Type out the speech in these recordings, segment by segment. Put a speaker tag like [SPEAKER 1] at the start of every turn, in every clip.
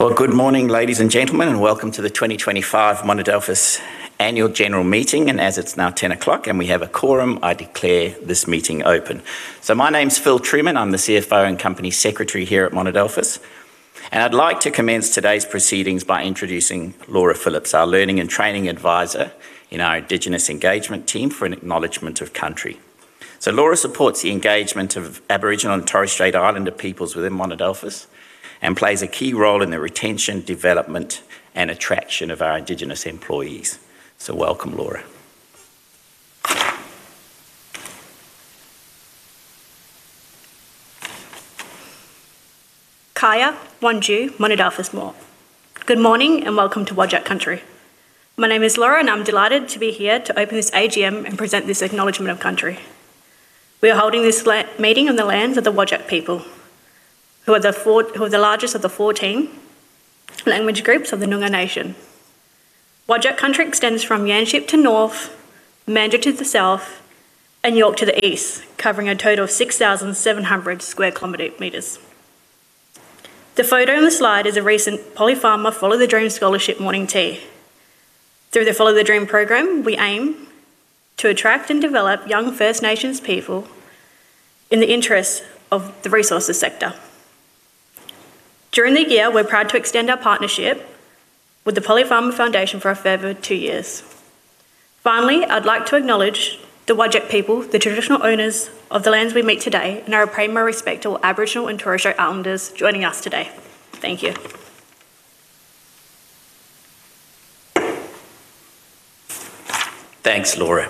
[SPEAKER 1] Good morning, ladies and gentlemen, and welcome to the 2025 Monadelphous annual general meeting. As it's now 10:00 and we have a quorum, I declare this meeting open. My name's Phil Trueman. I'm the CFO and Company Secretary here at Monadelphous. I'd like to commence today's proceedings by introducing Laurah Phillips, our Learning and Training Advisor in our Indigenous Engagement Team, for an acknowledgment of country. Laurah supports the engagement of Aboriginal and Torres Strait Islander peoples within Monadelphous and plays a key role in the retention, development, and attraction of our Indigenous employees. Welcome, Laurah.
[SPEAKER 2] Kaia, Wanju, Monadelphous Moor. Good morning and welcome to Whadjuk Country. My name is Laurah, and I'm delighted to be here to open this AGM and present this acknowledgment of country. We are holding this meeting on the lands of the Whadjuk people, who are the largest of the 14 language groups of the Noongar Nation. Whadjuk Country extends from Yanchep to the North, Mandurah to the South, and York to the East, covering a total of 6,700 sq km. The photo on the slide is a recent Polly Farmer Follow the Dream Scholarship Morning Tea. Through the Follow the Dream program, we aim to attract and develop young First Nations people in the interests of the resources sector. During the year, we're proud to extend our partnership with the Polly Farmer Foundation for a further two years. Finally, I'd like to acknowledge the Whadjuk people, the traditional owners of the lands we meet today, and our primary respect to all Aboriginal and Torres Strait Islanders joining us today. Thank you.
[SPEAKER 1] Thanks, Laurah.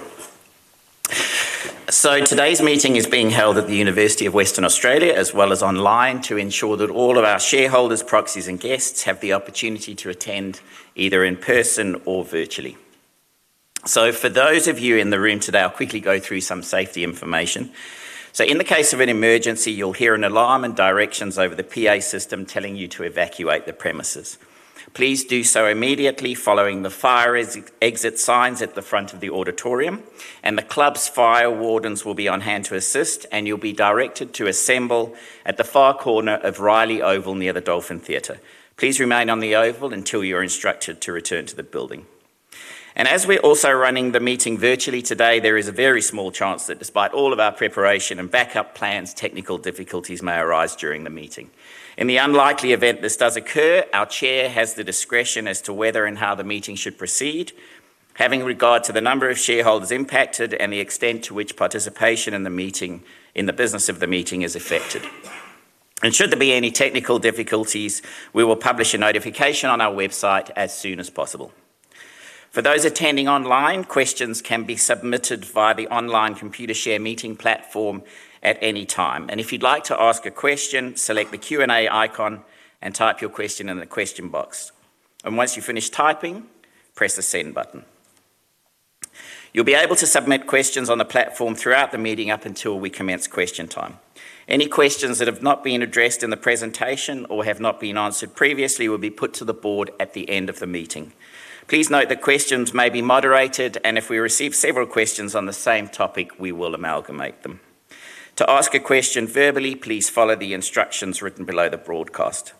[SPEAKER 1] Today's meeting is being held at the University of Western Australia as well as online to ensure that all of our shareholders, proxies, and guests have the opportunity to attend either in person or virtually. For those of you in the room today, I'll quickly go through some safety information. In the case of an emergency, you'll hear an alarm and directions over the PA system telling you to evacuate the premises. Please do so immediately, following the fire exit signs at the front of the auditorium. The club's fire wardens will be on hand to assist, and you'll be directed to assemble at the far corner of Riley Oval near the Dolphin Theatre. Please remain on the oval until you're instructed to return to the building. As we're also running the meeting virtually today, there is a very small chance that despite all of our preparation and backup plans, technical difficulties may arise during the meeting. In the unlikely event this does occur, our Chair has the discretion as to whether and how the meeting should proceed, having regard to the number of shareholders impacted and the extent to which participation in the meeting, in the business of the meeting, is affected. Should there be any technical difficulties, we will publish a notification on our website as soon as possible. For those attending online, questions can be submitted via the online Computershare meeting platform at any time. If you'd like to ask a question, select the Q&A icon and type your question in the question box. Once you finish typing, press the send button. You'll be able to submit questions on the platform throughout the meeting up until we commence question time. Any questions that have not been addressed in the presentation or have not been answered previously will be put to the board at the end of the meeting. Please note that questions may be moderated, and if we receive several questions on the same topic, we will amalgamate them. To ask a question verbally, please follow the instructions written below the broadcast.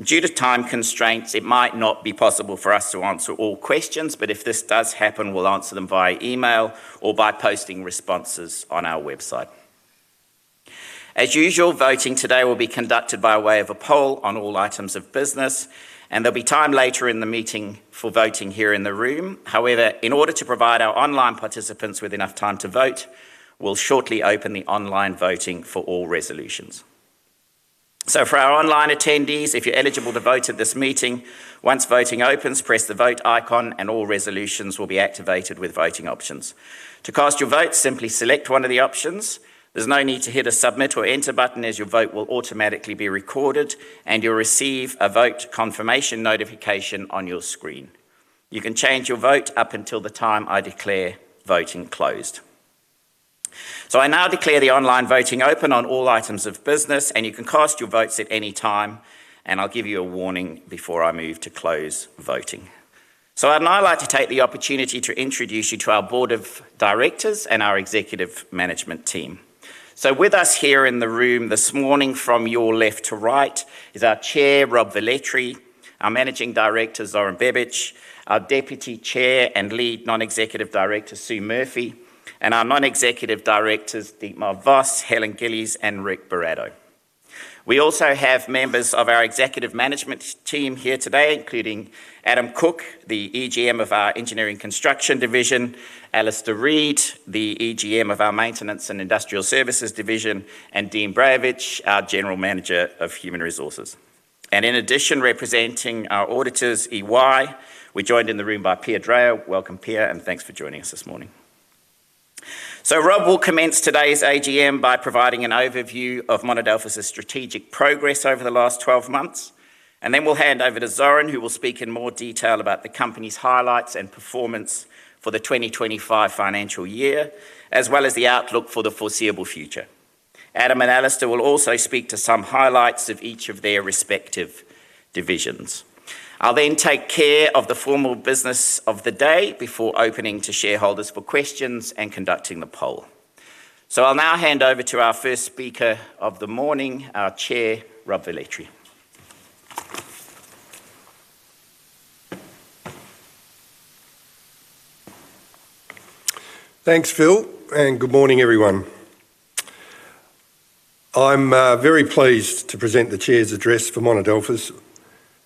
[SPEAKER 1] Due to time constraints, it might not be possible for us to answer all questions, but if this does happen, we'll answer them via email or by posting responses on our website. As usual, voting today will be conducted by way of a poll on all items of business, and there'll be time later in the meeting for voting here in the room. However, in order to provide our online participants with enough time to vote, we'll shortly open the online voting for all resolutions. For our online attendees, if you're eligible to vote at this meeting, once voting opens, press the vote icon and all resolutions will be activated with voting options. To cast your vote, simply select one of the options. There's no need to hit a submit or enter button as your vote will automatically be recorded and you'll receive a vote confirmation notification on your screen. You can change your vote up until the time I declare voting closed. I now declare the online voting open on all items of business, and you can cast your votes at any time. I'll give you a warning before I move to close voting. I'd now like to take the opportunity to introduce you to our board of directors and our executive management team. With us here in the room this morning from your left to right is our Chair, Rob Velletri, our Managing Director, Zoran Bebic, our Deputy Chair and Lead Non-Executive Director, Sue Murphy, and our Non-Executive Directors, Dietmar Voss, Helen Gillies, and Ric Buratto. We also have members of our executive management team here today, including Adam Cook, the EGM of our Engineering Construction Division, Alastair Reid, the EGM of our Maintenance and Industrial Services Division, and Dean Brajevic, our General Manager of Human Resources. In addition, representing our auditors, EY, we're joined in the room by Pierre Dragh. Welcome, Pierre, and thanks for joining us this morning. Rob will commence today's AGM by providing an overview of Monadelphous's strategic progress over the last 12 months, and then we'll hand over to Zoran, who will speak in more detail about the company's highlights and performance for the 2025 financial year, as well as the outlook for the foreseeable future. Adam and Alistair will also speak to some highlights of each of their respective divisions. I'll then take care of the formal business of the day before opening to shareholders for questions and conducting the poll. I'll now hand over to our first speaker of the morning, our Chair, Rob Velletri.
[SPEAKER 3] Thanks, Phil, and good morning, everyone. I'm very pleased to present the chair's address for Monadelphous,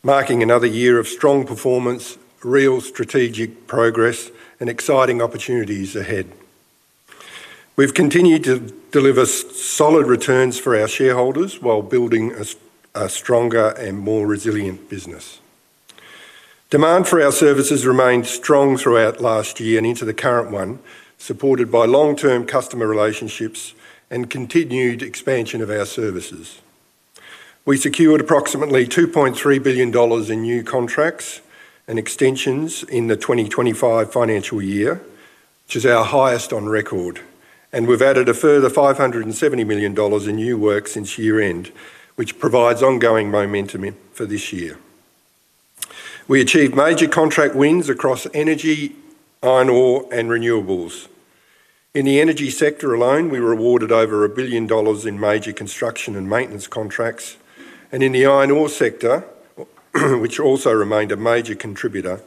[SPEAKER 3] marking another year of strong performance, real strategic progress, and exciting opportunities ahead. We've continued to deliver solid returns for our shareholders while building a stronger and more resilient business. Demand for our services remained strong throughout last year and into the current one, supported by long-term customer relationships and continued expansion of our services. We secured approximately 2.3 billion dollars in new contracts and extensions in the 2025 financial year, which is our highest on record. We have added a further 570 million dollars in new work since year-end, which provides ongoing momentum for this year. We achieved major contract wins across energy, iron ore, and renewables. In the energy sector alone, we were awarded over 1 billion dollars in major construction and maintenance contracts. In the iron ore sector, which also remained a major contributor,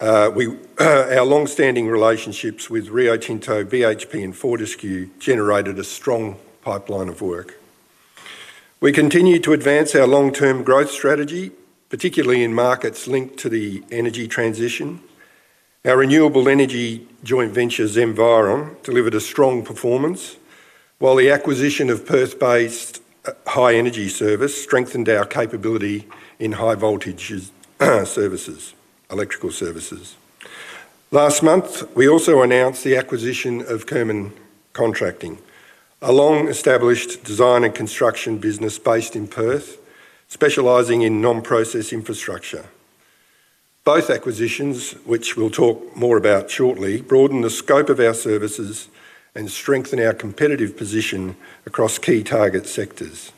[SPEAKER 3] our long-standing relationships with Rio Tinto, BHP, and Fortescue generated a strong pipeline of work. We continue to advance our long-term growth strategy, particularly in markets linked to the energy transition. Our renewable energy joint venture, Zenviron, delivered a strong performance, while the acquisition of Perth-based High Energy Service strengthened our capability in high-voltage services, electrical services. Last month, we also announced the acquisition of Kerman Contracting, a long-established design and construction business based in Perth, specializing in non-process infrastructure. Both acquisitions, which we'll talk more about shortly, broaden the scope of our services and strengthen our competitive position across key target sectors.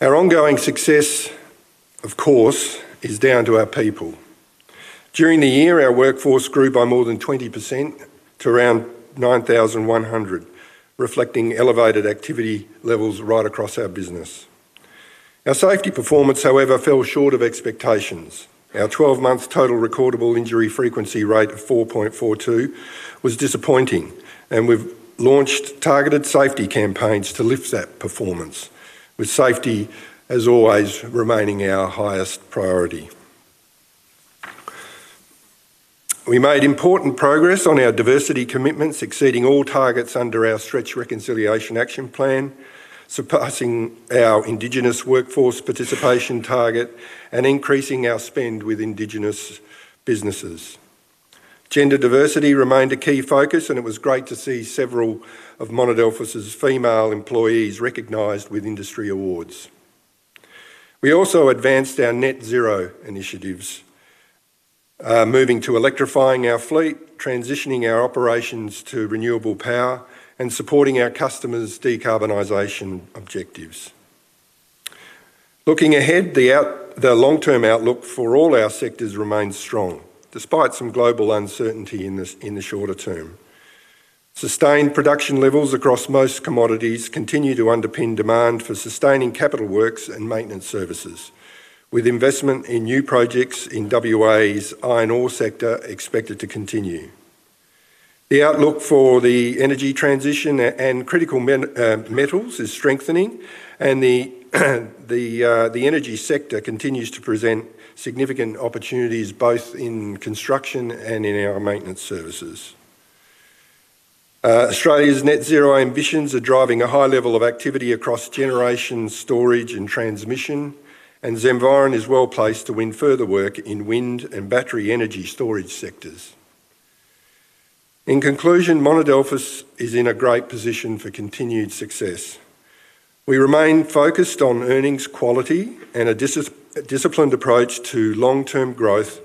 [SPEAKER 3] Our ongoing success, of course, is down to our people. During the year, our workforce grew by more than 20% to around 9,100, reflecting elevated activity levels right across our business. Our safety performance, however, fell short of expectations. Our 12-month total recordable injury frequency rate of 4.42 was disappointing, and we've launched targeted safety campaigns to lift that performance, with safety, as always, remaining our highest priority. We made important progress on our diversity commitments, exceeding all targets under our Stretch Reconciliation Action Plan, surpassing our Indigenous workforce participation target, and increasing our spend with Indigenous businesses. Gender diversity remained a key focus, and it was great to see several of Monadelphous's female employees recognised with industry awards. We also advanced our net zero initiatives, moving to electrifying our fleet, transitioning our operations to renewable power, and supporting our customers' decarbonisation objectives. Looking ahead, the long-term outlook for all our sectors remains strong, despite some global uncertainty in the shorter term. Sustained production levels across most commodities continue to underpin demand for sustaining capital works and maintenance services, with investment in new projects in WA's iron ore sector expected to continue. The outlook for the energy transition and critical metals is strengthening, and the energy sector continues to present significant opportunities both in construction and in our maintenance services. Australia's net zero ambitions are driving a high level of activity across generation, storage, and transmission, and Zenviron is well placed to win further work in wind and battery energy storage sectors. In conclusion, Monadelphous is in a great position for continued success. We remain focused on earnings quality and a disciplined approach to long-term growth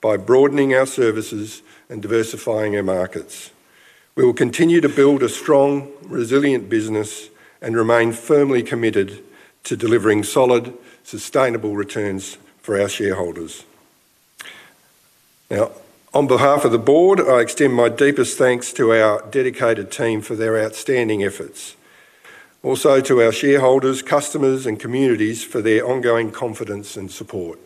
[SPEAKER 3] by broadening our services and diversifying our markets. We will continue to build a strong, resilient business and remain firmly committed to delivering solid, sustainable returns for our shareholders. Now, on behalf of the board, I extend my deepest thanks to our dedicated team for their outstanding efforts. Also to our shareholders, customers, and communities for their ongoing confidence and support.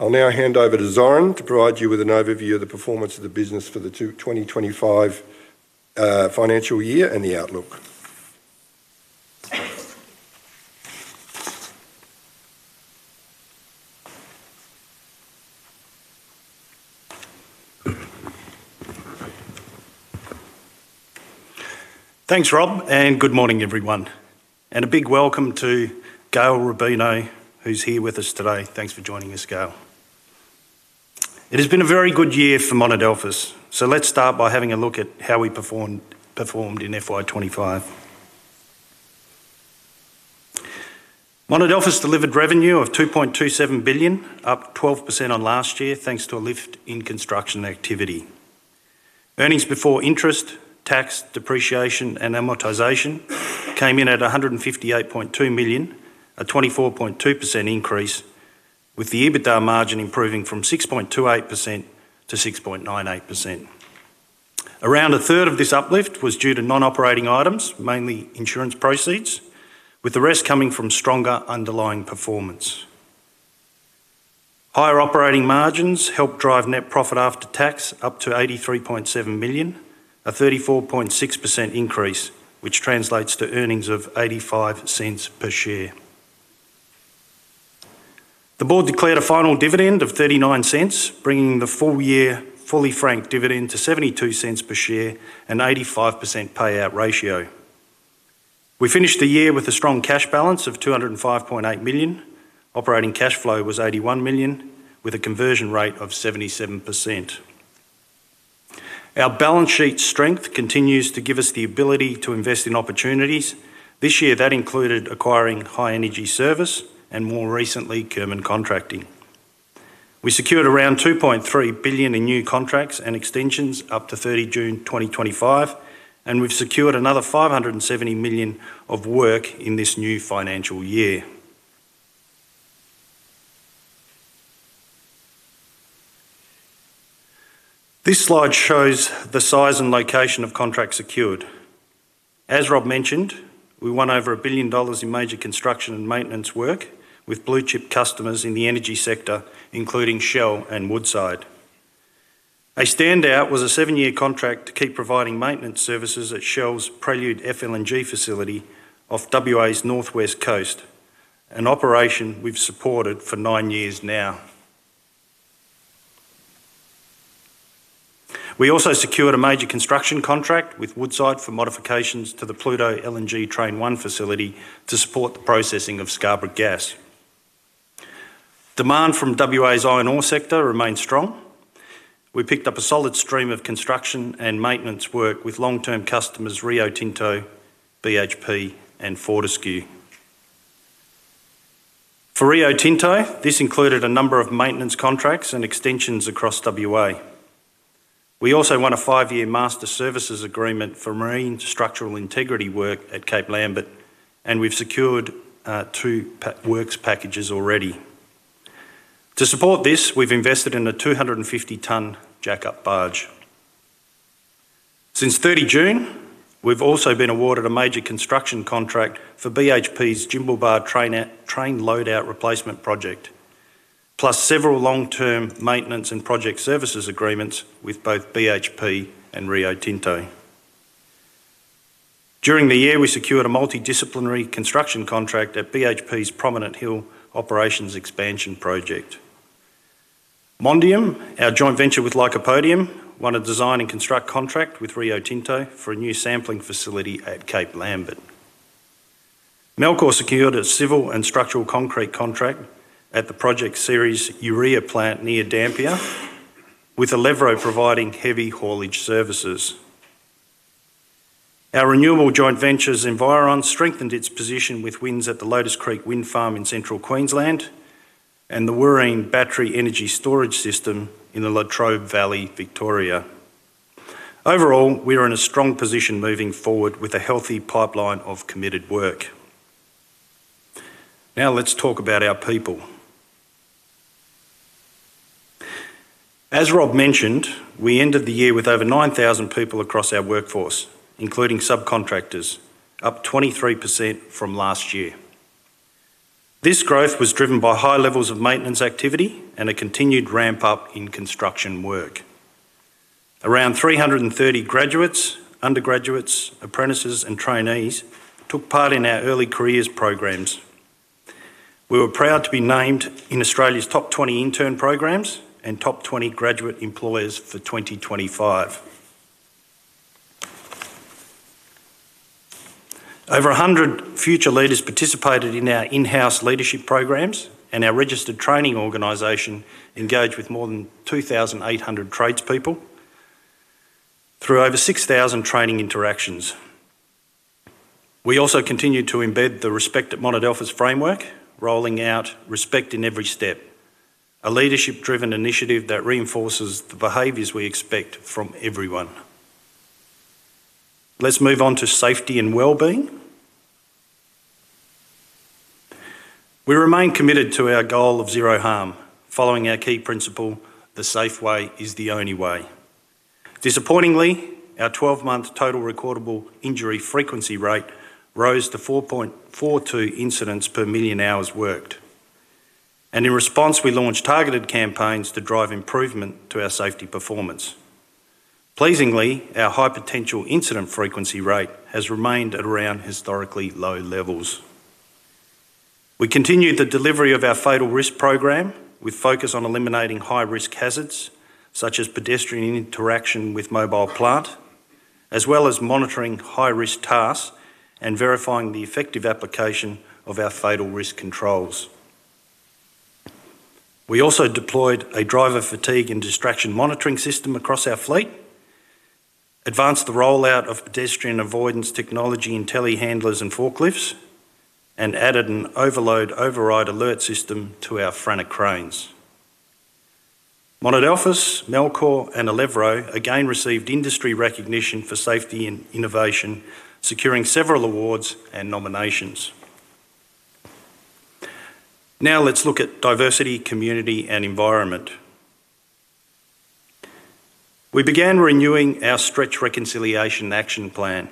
[SPEAKER 3] I'll now hand over to Zoran to provide you with an overview of the performance of the business for the 2025 financial year and the outlook.
[SPEAKER 4] Thanks, Rob, and good morning, everyone. A big welcome to Gail Rubino, who's here with us today. Thanks for joining us, Gail. It has been a very good year for Monadelphous, so let's start by having a look at how we performed in FY 2025. Monadelphous delivered revenue of AUD 2.27 billion, up 12% on last year, thanks to a lift in construction activity. Earnings before interest, tax, depreciation, and amortization came in at 158.2 million, a 24.2% increase, with the EBITDA margin improving from 6.28%-6.98%. Around a third of this uplift was due to non-operating items, mainly insurance proceeds, with the rest coming from stronger underlying performance. Higher operating margins helped drive net profit after tax up to 83.7 million, a 34.6% increase, which translates to earnings of 0.85 per share. The board declared a final dividend of 0.39, bringing the full-year fully franked dividend to 0.72 per share and 85% payout ratio. We finished the year with a strong cash balance of 205.8 million. Operating cash flow was 81 million, with a conversion rate of 77%. Our balance sheet strength continues to give us the ability to invest in opportunities. This year, that included acquiring High Energy Service and, more recently, Kerman Contracting. We secured around 2.3 billion in new contracts and extensions up to 30 June 2025, and we've secured another 570 million of work in this new financial year. This slide shows the size and location of contracts secured. As Rob mentioned, we won over 1 billion dollars in major construction and maintenance work with blue-chip customers in the energy sector, including Shell and Woodside. A standout was a seven-year contract to keep providing maintenance services at Shell's Prelude FLNG facility off WA's Northwest Coast, an operation we've supported for nine years now. We also secured a major construction contract with Woodside for modifications to the Pluto LNG Train 1 facility to support the processing of Scarborough Gas. Demand from WA's iron ore sector remained strong. We picked up a solid stream of construction and maintenance work with long-term customers Rio Tinto, BHP, and Fortescue. For Rio Tinto, this included a number of maintenance contracts and extensions across WA. We also won a five-year master services agreement for marine structural integrity work at Cape Lambert, and we've secured two works packages already. To support this, we've invested in a 250 tonne jack-up barge. Since 30 June, we've also been awarded a major construction contract for BHP's Jimblebar Train Loadout Replacement Project, plus several long-term maintenance and project services agreements with both BHP and Rio Tinto. During the year, we secured a multidisciplinary construction contract at BHP's Prominent Hill Operations Expansion Project. MONDIUM, our joint venture with Lycopodium, won a design and construct contract with Rio Tinto for a new sampling facility at Cape Lambert. Melchor secured a civil and structural concrete contract at the Perdaman urea plant near Dampier, with Albemarle providing heavy haulage services. Our renewable joint venture, Zenviron, strengthened its position with wins at the Lotus Creek Wind Farm in central Queensland and the Wooreen Battery Energy Storage System in the Latrobe Valley, Victoria. Overall, we are in a strong position moving forward with a healthy pipeline of committed work. Now let's talk about our people. As Rob mentioned, we ended the year with over 9,000 people across our workforce, including subcontractors, up 23% from last year. This growth was driven by high levels of maintenance activity and a continued ramp-up in construction work. Around 330 graduates, undergraduates, apprentices, and trainees took part in our early careers programs. We were proud to be named in Australia's top 20 intern programs and top 20 graduate employers for 2025. Over 100 future leaders participated in our in-house leadership programs, and our registered training organization engaged with more than 2,800 tradespeople through over 6,000 training interactions. We also continue to embed the Respect@Monadelphous framework, rolling out Respect in Every Step, a leadership-driven initiative that reinforces the behaviors we expect from everyone. Let's move on to safety and well-being. We remain committed to our goal of zero harm, following our key principle, "The safe way is the only way." Disappointingly, our 12-month total recordable injury frequency rate rose to 4.42 incidents per million hours worked. In response, we launched targeted campaigns to drive improvement to our safety performance. Pleasingly, our high potential incident frequency rate has remained at around historically low levels. We continue the delivery of our fatal risk program with focus on eliminating high-risk hazards such as pedestrian interaction with mobile plant, as well as monitoring high-risk tasks and verifying the effective application of our fatal risk controls. We also deployed a driver fatigue and distraction monitoring system across our fleet, advanced the rollout of pedestrian avoidance technology in telehandlers and forklifts, and added an overload override alert system to our Frank cranes. Monadelphous, Melchor, and Albemarle again received industry recognition for safety and innovation, securing several awards and nominations. Now let's look at diversity, community, and environment. We began renewing our Stretch Reconciliation Action Plan,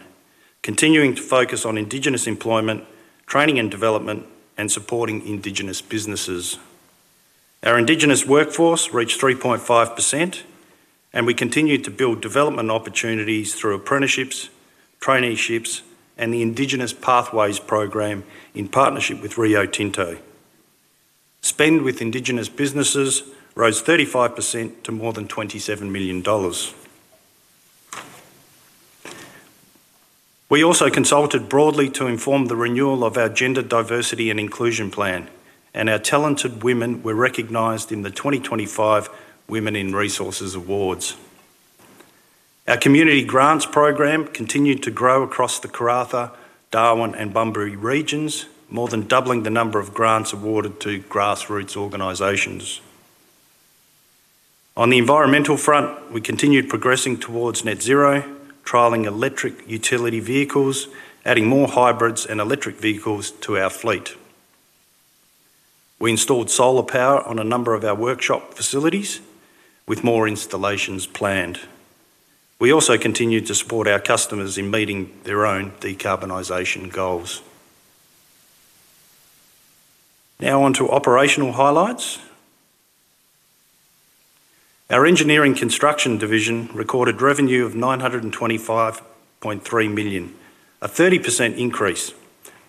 [SPEAKER 4] continuing to focus on Indigenous employment, training and development, and supporting Indigenous businesses. Our Indigenous workforce reached 3.5%, and we continued to build development opportunities through apprenticeships, traineeships, and the Indigenous Pathways program in partnership with Rio Tinto. Spend with Indigenous businesses rose 35% to more than 27 million dollars. We also consulted broadly to inform the renewal of our Gender Diversity and Inclusion Plan, and our talented women were recognized in the 2025 Women in Resources Awards. Our Community Grants program continued to grow across the Karratha, Darwin, and Bunbury regions, more than doubling the number of grants awarded to grassroots organizations. On the environmental front, we continued progressing towards net zero, trialling electric utility vehicles, adding more hybrids and electric vehicles to our fleet. We installed solar power on a number of our workshop facilities, with more installations planned. We also continued to support our customers in meeting their own decarbonisation goals. Now on to operational highlights. Our Engineering Construction Division recorded revenue of 925.3 million, a 30% increase,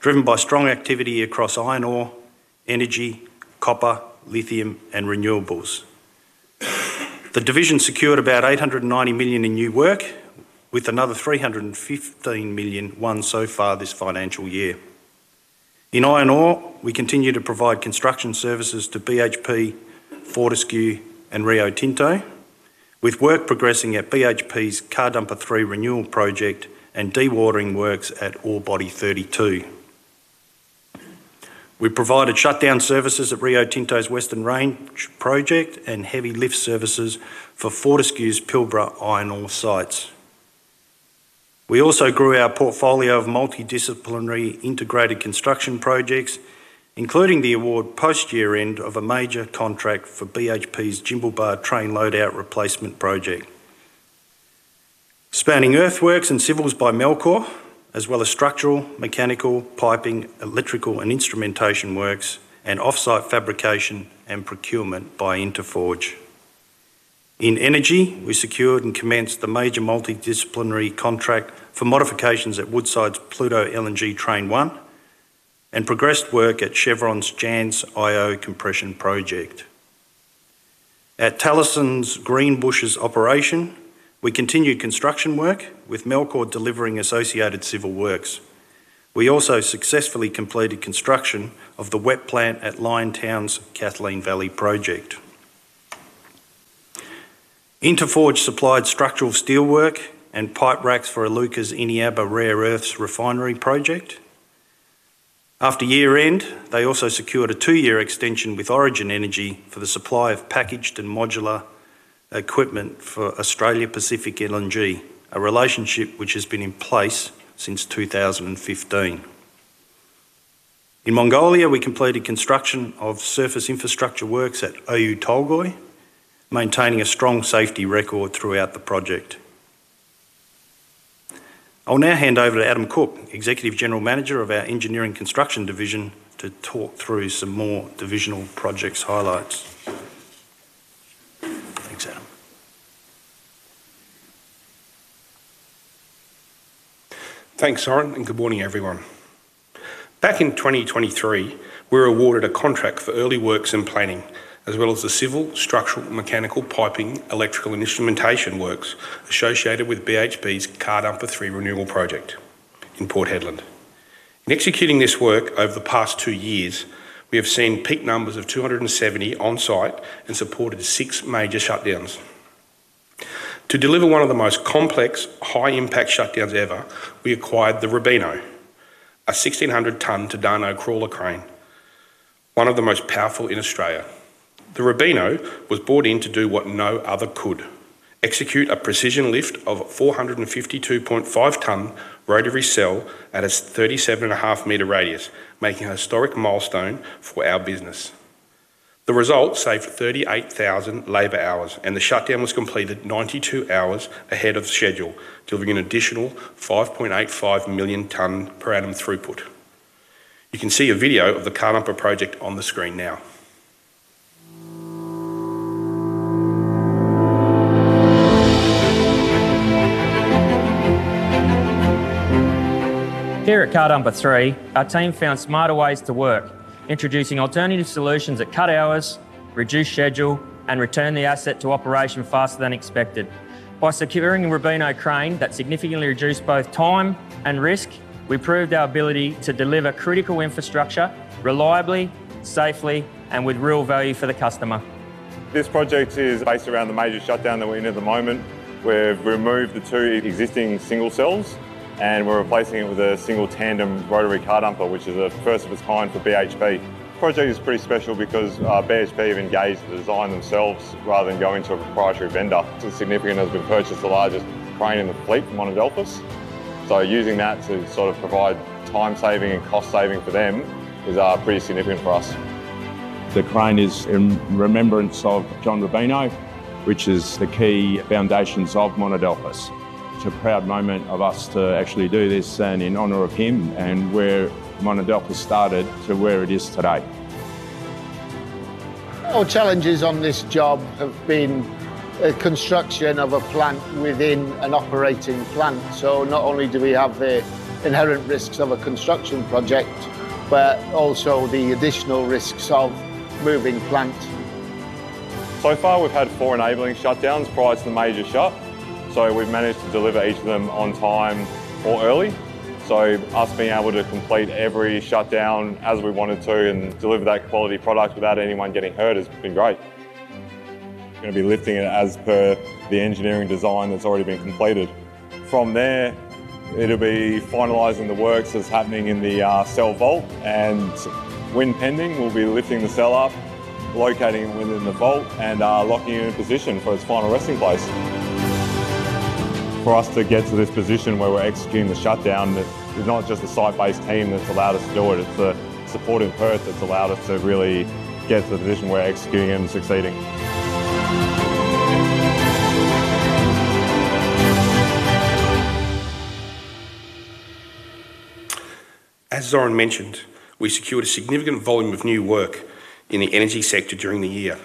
[SPEAKER 4] driven by strong activity across iron ore, energy, copper, lithium, and renewables. The division secured about 890 million in new work, with another 315 million won so far this financial year. In iron ore, we continue to provide construction services to BHP, Fortescue, and Rio Tinto, with work progressing at BHP's Car Dumper 3 renewal project and dewatering works at Ore Body 32. We provided shutdown services at Rio Tinto's Western Range project and heavy lift services for Fortescue's Pilbara iron ore sites. We also grew our portfolio of multidisciplinary integrated construction projects, including the award post-year-end of a major contract for BHP's Jimblebar Train Loadout Replacement Project. Spanning earthworks and civils by Melchor, as well as structural, mechanical, piping, electrical, and instrumentation works, and off-site fabrication and procurement by Inteforge. In energy, we secured and commenced the major multidisciplinary contract for modifications at Woodside's Pluto LNG Train 1 and progressed work at Chevron's Jansz-Io Compression Project. At Talison's Greenbushes operation, we continued construction work, with Melchor delivering associated civil works. We also successfully completed construction of the wet plant at Liontown's Kathleen Valley project. Inteforge supplied structural steelwork and pipe racks for Iluka's Eneabba Rare Earths refinery project. After year-end, they also secured a two-year extension with Origin Energy for the supply of packaged and modular equipment for Australia Pacific LNG, a relationship which has been in place since 2015. In Mongolia, we completed construction of surface infrastructure works at Oyu Tolgoi, maintaining a strong safety record throughout the project. I'll now hand over to Adam Cook, Executive General Manager of our Engineering Construction Division, to talk through some more divisional projects highlights. Thanks, Adam.
[SPEAKER 5] Thanks, Zoran, and good morning, everyone. Back in 2023, we were awarded a contract for early works and planning, as well as the civil, structural, mechanical, piping, electrical, and instrumentation works associated with BHP's Car Dumper 3 renewal project in Port Hedland. In executing this work over the past two years, we have seen peak numbers of 270 on-site and supported six major shutdowns. To deliver one of the most complex, high-impact shutdowns ever, we acquired the Robino, a 1,600 tonne Tadano crawler crane, one of the most powerful in Australia. The Robino was brought in to do what no other could: execute a precision lift of a 452.5 tonne rotary cell at a 37.5 m radius, making a historic milestone for our business. The result saved 38,000 labor hours, and the shutdown was completed 92 hours ahead of schedule, delivering an additional 5.85 million tonnes per annum throughput. You can see a video of the Car Dumper 3 project on the screen now. Here at Car Dumper 3, our team found smarter ways to work, introducing alternative solutions that cut hours, reduced schedule, and returned the asset to operation faster than expected. By securing a Robino crane that significantly reduced both time and risk, we proved our ability to deliver critical infrastructure reliably, safely, and with real value for the customer. This project is based around the major shutdown that we're in at the moment. We've removed the two existing single cells, and we're replacing it with a single tandem rotary car dumper, which is a first of its kind for BHP. The project is pretty special because BHP have engaged the design themselves rather than going to a proprietary vendor. It's significant as we've purchased the largest crane in the fleet from Monadelphous. Using that to sort of provide time saving and cost saving for them is pretty significant for us. The crane is in remembrance of John Robino, which is the key foundations of Monadelphous. It's a proud moment of us to actually do this and in honor of him and where Monadelphous started to where it is today. Our challenges on this job have been the construction of a plant within an operating plant. Not only do we have the inherent risks of a construction project, but also the additional risks of moving plant. So far, we've had four enabling shutdowns prior to the major shut, so we've managed to deliver each of them on time or early. Us being able to complete every shutdown as we wanted to and deliver that quality product without anyone getting hurt has been great. We're going to be lifting it as per the engineering design that's already been completed. From there, it'll be finalizing the works as happening in the cell vault, and when pending, we'll be lifting the cell up, locating it within the vault, and locking it in position for its final resting place. For us to get to this position where we're executing the shutdown, it's not just the site-based team that's allowed us to do it. It's the supporting herd that's allowed us to really get to the position where executing and succeeding. As Zoran mentioned, we secured a significant volume of new work in the energy sector during the year,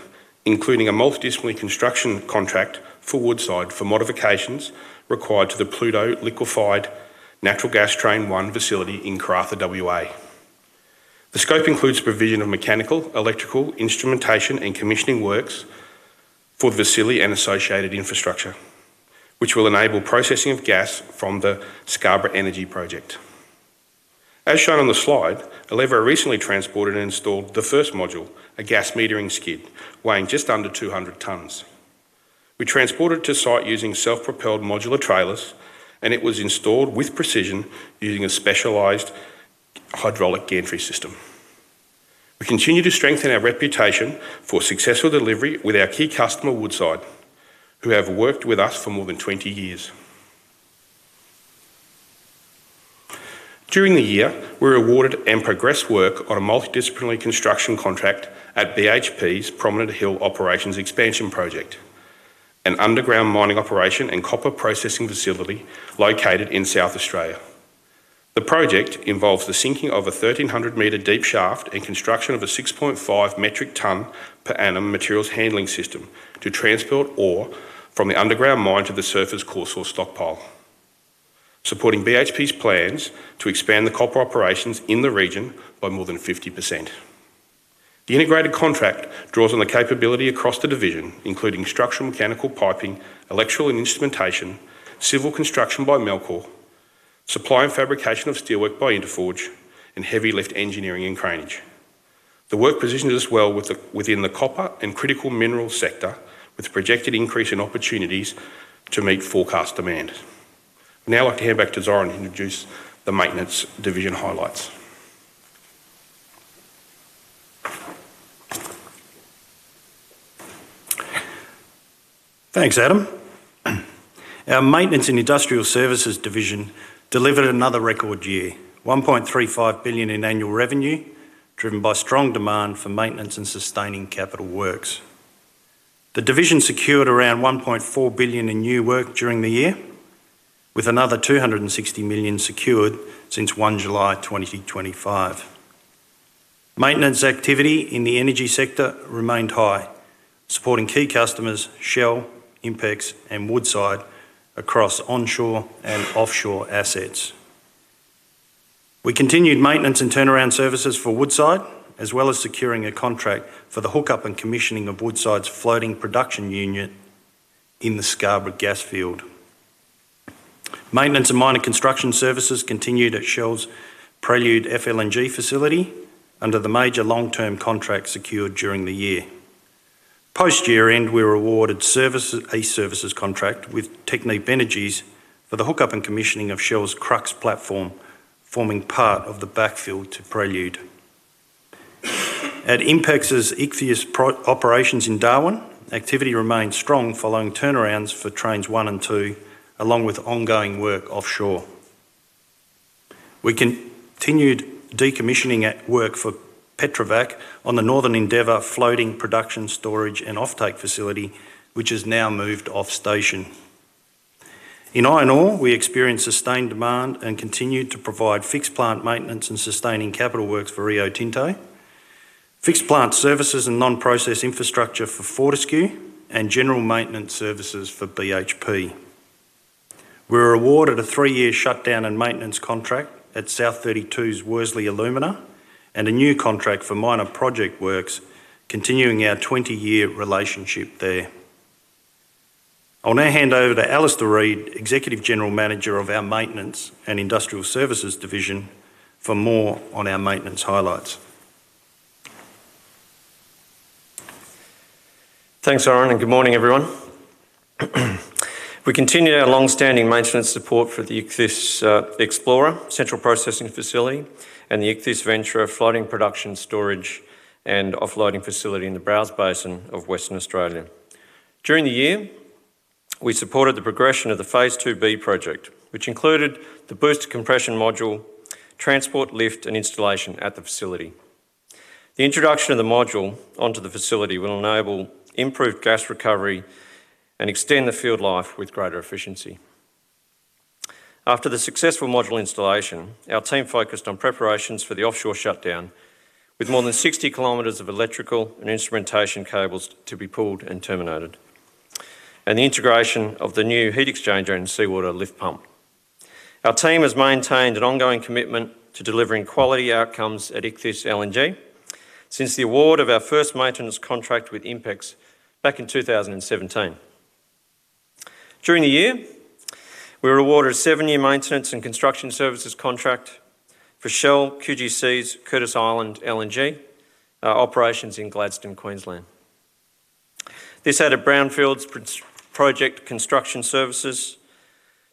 [SPEAKER 5] including a multidisciplinary construction contract for Woodside for modifications required to the Pluto Liquefied Natural Gas Train 1 facility in Karratha, WA. The scope includes provision of mechanical, electrical, instrumentation, and commissioning works for the facility and associated infrastructure, which will enable processing of gas from the Scarborough Energy project. As shown on the slide, Albemarle recently transported and installed the first module, a gas metering skid, weighing just under 200 tonnes. We transported it to site using self-propelled modular trailers, and it was installed with precision using a specialized hydraulic gantry system. We continue to strengthen our reputation for successful delivery with our key customer, Woodside, who have worked with us for more than 20 years. During the year, we were awarded and progressed work on a multidisciplinary construction contract at BHP's Prominent Hill Operations Expansion Project, an underground mining operation and copper processing facility located in South Australia. The project involves the sinking of a 1,300 meter deep shaft and construction of a 6.5 metric tonne per annum materials handling system to transport ore from the underground mine to the surface coarser stockpile, supporting BHP's plans to expand the copper operations in the region by more than 50%. The integrated contract draws on the capability across the division, including structural mechanical piping, electrical and instrumentation, civil construction by Melchor, supply and fabrication of steelwork by Inteforge, and heavy lift engineering and craneage. The work positions us well within the copper and critical mineral sector, with a projected increase in opportunities to meet forecast demand. I'd now like to hand back to Zoran to introduce the maintenance division highlights.
[SPEAKER 4] Thanks, Adam. Our Maintenance and Industrial Services Division delivered another record year, 1.35 billion in annual revenue, driven by strong demand for maintenance and sustaining capital works. The division secured around 1.4 billion in new work during the year, with another 260 million secured since 1 July 2025. Maintenance activity in the energy sector remained high, supporting key customers, Shell, INPEX, and Woodside across onshore and offshore assets. We continued maintenance and turnaround services for Woodside, as well as securing a contract for the hookup and commissioning of Woodside's floating production unit in the Scarborough Gas Field. Maintenance and minor construction services continued at Shell's Prelude FLNG facility under the major long-term contract secured during the year. Post-year-end, we were awarded a services contract with Technip Energies for the hookup and commissioning of Shell's Crux platform, forming part of the backfill to Prelude. At INPEX's Ichthys operations in Darwin, activity remained strong following turnarounds for trains one and two, along with ongoing work offshore. We continued decommissioning work for Petrobras on the Northern Endeavour floating production, storage, and offtake facility, which is now moved off-station. In iron ore, we experienced sustained demand and continued to provide fixed plant maintenance and sustaining capital works for Rio Tinto, fixed plant services and non-process infrastructure for Fortescue, and general maintenance services for BHP. We were awarded a three-year shutdown and maintenance contract at South 32's Worsley Alumina, and a new contract for minor project works, continuing our 20-year relationship there. I'll now hand over to Alastair Reid, Executive General Manager of our Maintenance and Industrial Services Division, for more on our maintenance highlights.
[SPEAKER 6] Thanks, Zoran, and good morning, everyone. We continued our long-standing maintenance support for the Ichthys Explorer, central processing facility, and the Ichthys Venture floating production, storage, and offloading facility in the Browse Basin of Western Australia. During the year, we supported the progression of the Phase 2B project, which included the booster compression module, transport, lift, and installation at the facility. The introduction of the module onto the facility will enable improved gas recovery and extend the field life with greater efficiency. After the successful module installation, our team focused on preparations for the offshore shutdown, with more than 60 km of electrical and instrumentation cables to be pulled and terminated, and the integration of the new heat exchanger and seawater lift pump. Our team has maintained an ongoing commitment to delivering quality outcomes at Ichthys LNG since the award of our first maintenance contract with INPEX back in 2017. During the year, we were awarded a seven-year maintenance and construction services contract for Shell QGC's Curtis Island LNG operations in Gladstone, Queensland. This added brownfields project construction services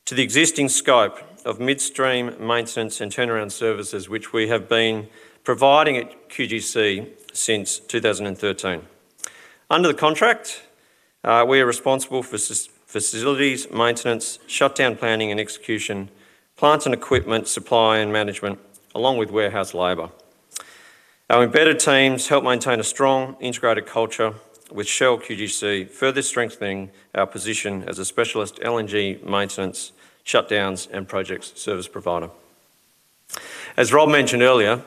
[SPEAKER 6] to the existing scope of midstream maintenance and turnaround services, which we have been providing at QGC since 2013. Under the contract, we are responsible for facilities, maintenance, shutdown planning and execution, plants and equipment supply and management, along with warehouse labor. Our embedded teams help maintain a strong integrated culture with Shell QGC, further strengthening our position as a specialist LNG maintenance, shutdowns, and projects service provider. As Rob mentioned earlier,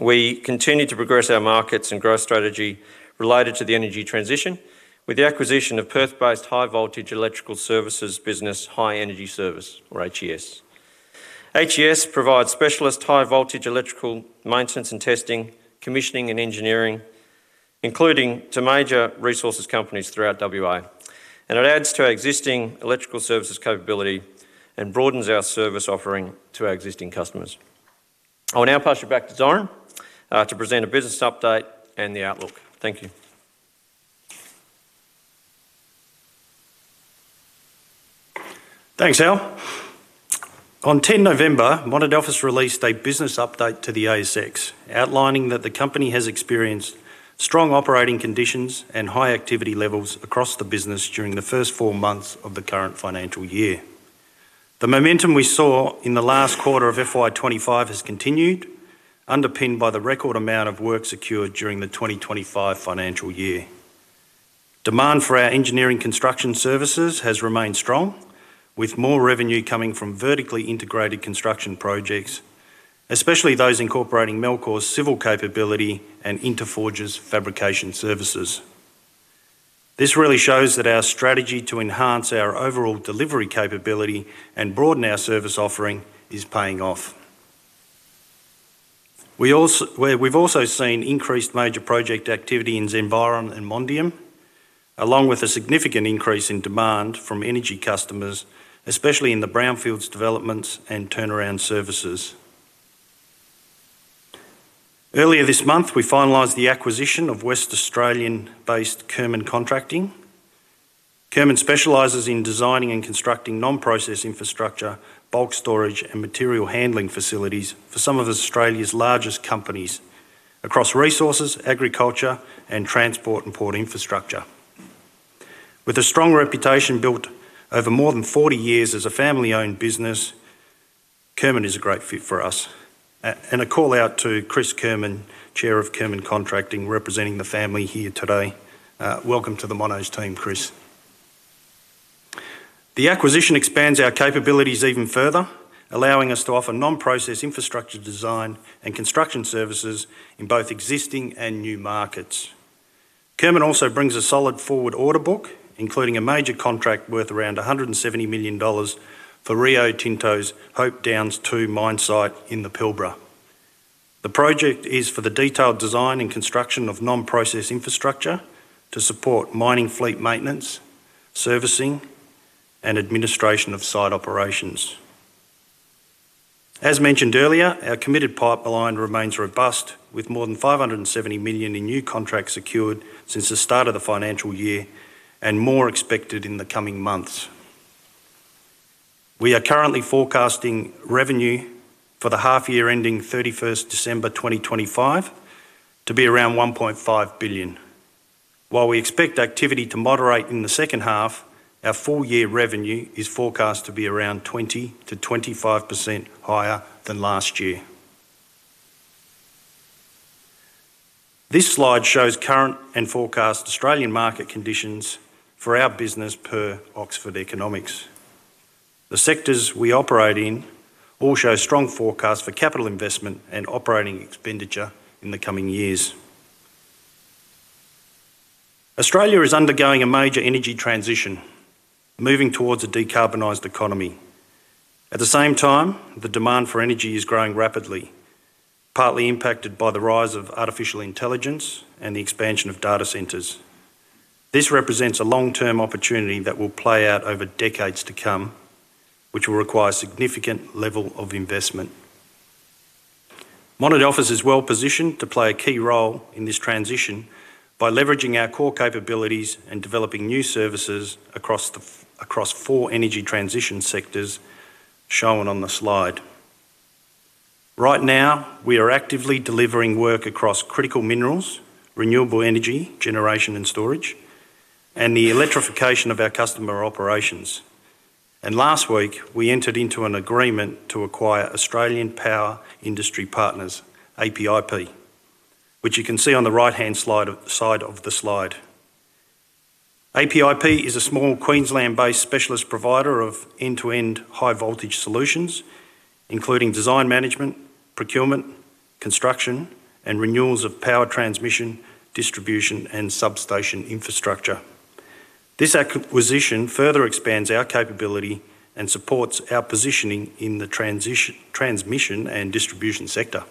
[SPEAKER 6] we continue to progress our markets and growth strategy related to the energy transition with the acquisition of Perth-based high-voltage electrical services business, High Energy Service, or HES. HES provides specialist high-voltage electrical maintenance and testing, commissioning, and engineering, including to major resources companies throughout WA, and it adds to our existing electrical services capability and broadens our service offering to our existing customers. I'll now pass you back to Zoran to present a business update and the outlook. Thank you.
[SPEAKER 4] Thanks, Al. On 10 November, Monadelphous released a business update to the ASX, outlining that the company has experienced strong operating conditions and high activity levels across the business during the first four months of the current financial year. The momentum we saw in the last quarter of FY 2025 has continued, underpinned by the record amount of work secured during the 2025 financial year. Demand for our engineering construction services has remained strong, with more revenue coming from vertically integrated construction projects, especially those incorporating Melchor's civil capability and Inteforge's fabrication services. This really shows that our strategy to enhance our overall delivery capability and broaden our service offering is paying off. We've also seen increased major project activity in Zenviron and MONDIUM, along with a significant increase in demand from energy customers, especially in the brownfields developments and turnaround services. Earlier this month, we finalized the acquisition of West Australian-based Kerman Contracting. Kerman specializes in designing and constructing non-process infrastructure, bulk storage, and material handling facilities for some of Australia's largest companies across resources, agriculture, and transport and port infrastructure. With a strong reputation built over more than 40 years as a family-owned business, Kerman is a great fit for us. A call-out to Chris Kerman, Chair of Kerman Contracting, representing the family here today. Welcome to the Mono's team, Chris. The acquisition expands our capabilities even further, allowing us to offer non-process infrastructure design and construction services in both existing and new markets. Kerman also brings a solid forward order book, including a major contract worth around 170 million dollars for Rio Tinto's Hope Downs 2 mine site in the Pilbara. The project is for the detailed design and construction of non-process infrastructure to support mining fleet maintenance, servicing, and administration of site operations. As mentioned earlier, our committed pipeline remains robust, with more than 570 million in new contracts secured since the start of the financial year and more expected in the coming months. We are currently forecasting revenue for the half-year ending 31st December 2025 to be around 1.5 billion. While we expect activity to moderate in the second half, our full-year revenue is forecast to be around 20%-25% higher than last year. This slide shows current and forecast Australian market conditions for our business per Oxford Economics. The sectors we operate in all show strong forecasts for capital investment and operating expenditure in the coming years. Australia is undergoing a major energy transition, moving towards a decarbonised economy. At the same time, the demand for energy is growing rapidly, partly impacted by the rise of artificial intelligence and the expansion of data centers. This represents a long-term opportunity that will play out over decades to come, which will require a significant level of investment. Monadelphous is well positioned to play a key role in this transition by leveraging our core capabilities and developing new services across four energy transition sectors shown on the slide. Right now, we are actively delivering work across critical minerals, renewable energy generation and storage, and the electrification of our customer operations. Last week, we entered into an agreement to acquire Australian Power Industry Partners, APIP, which you can see on the right-hand side of the slide. APIP is a small Queensland-based specialist provider of end-to-end high-voltage solutions, including design management, procurement, construction, and renewals of power transmission, distribution, and substation infrastructure. This acquisition further expands our capability and supports our positioning in the transmission and distribution sector.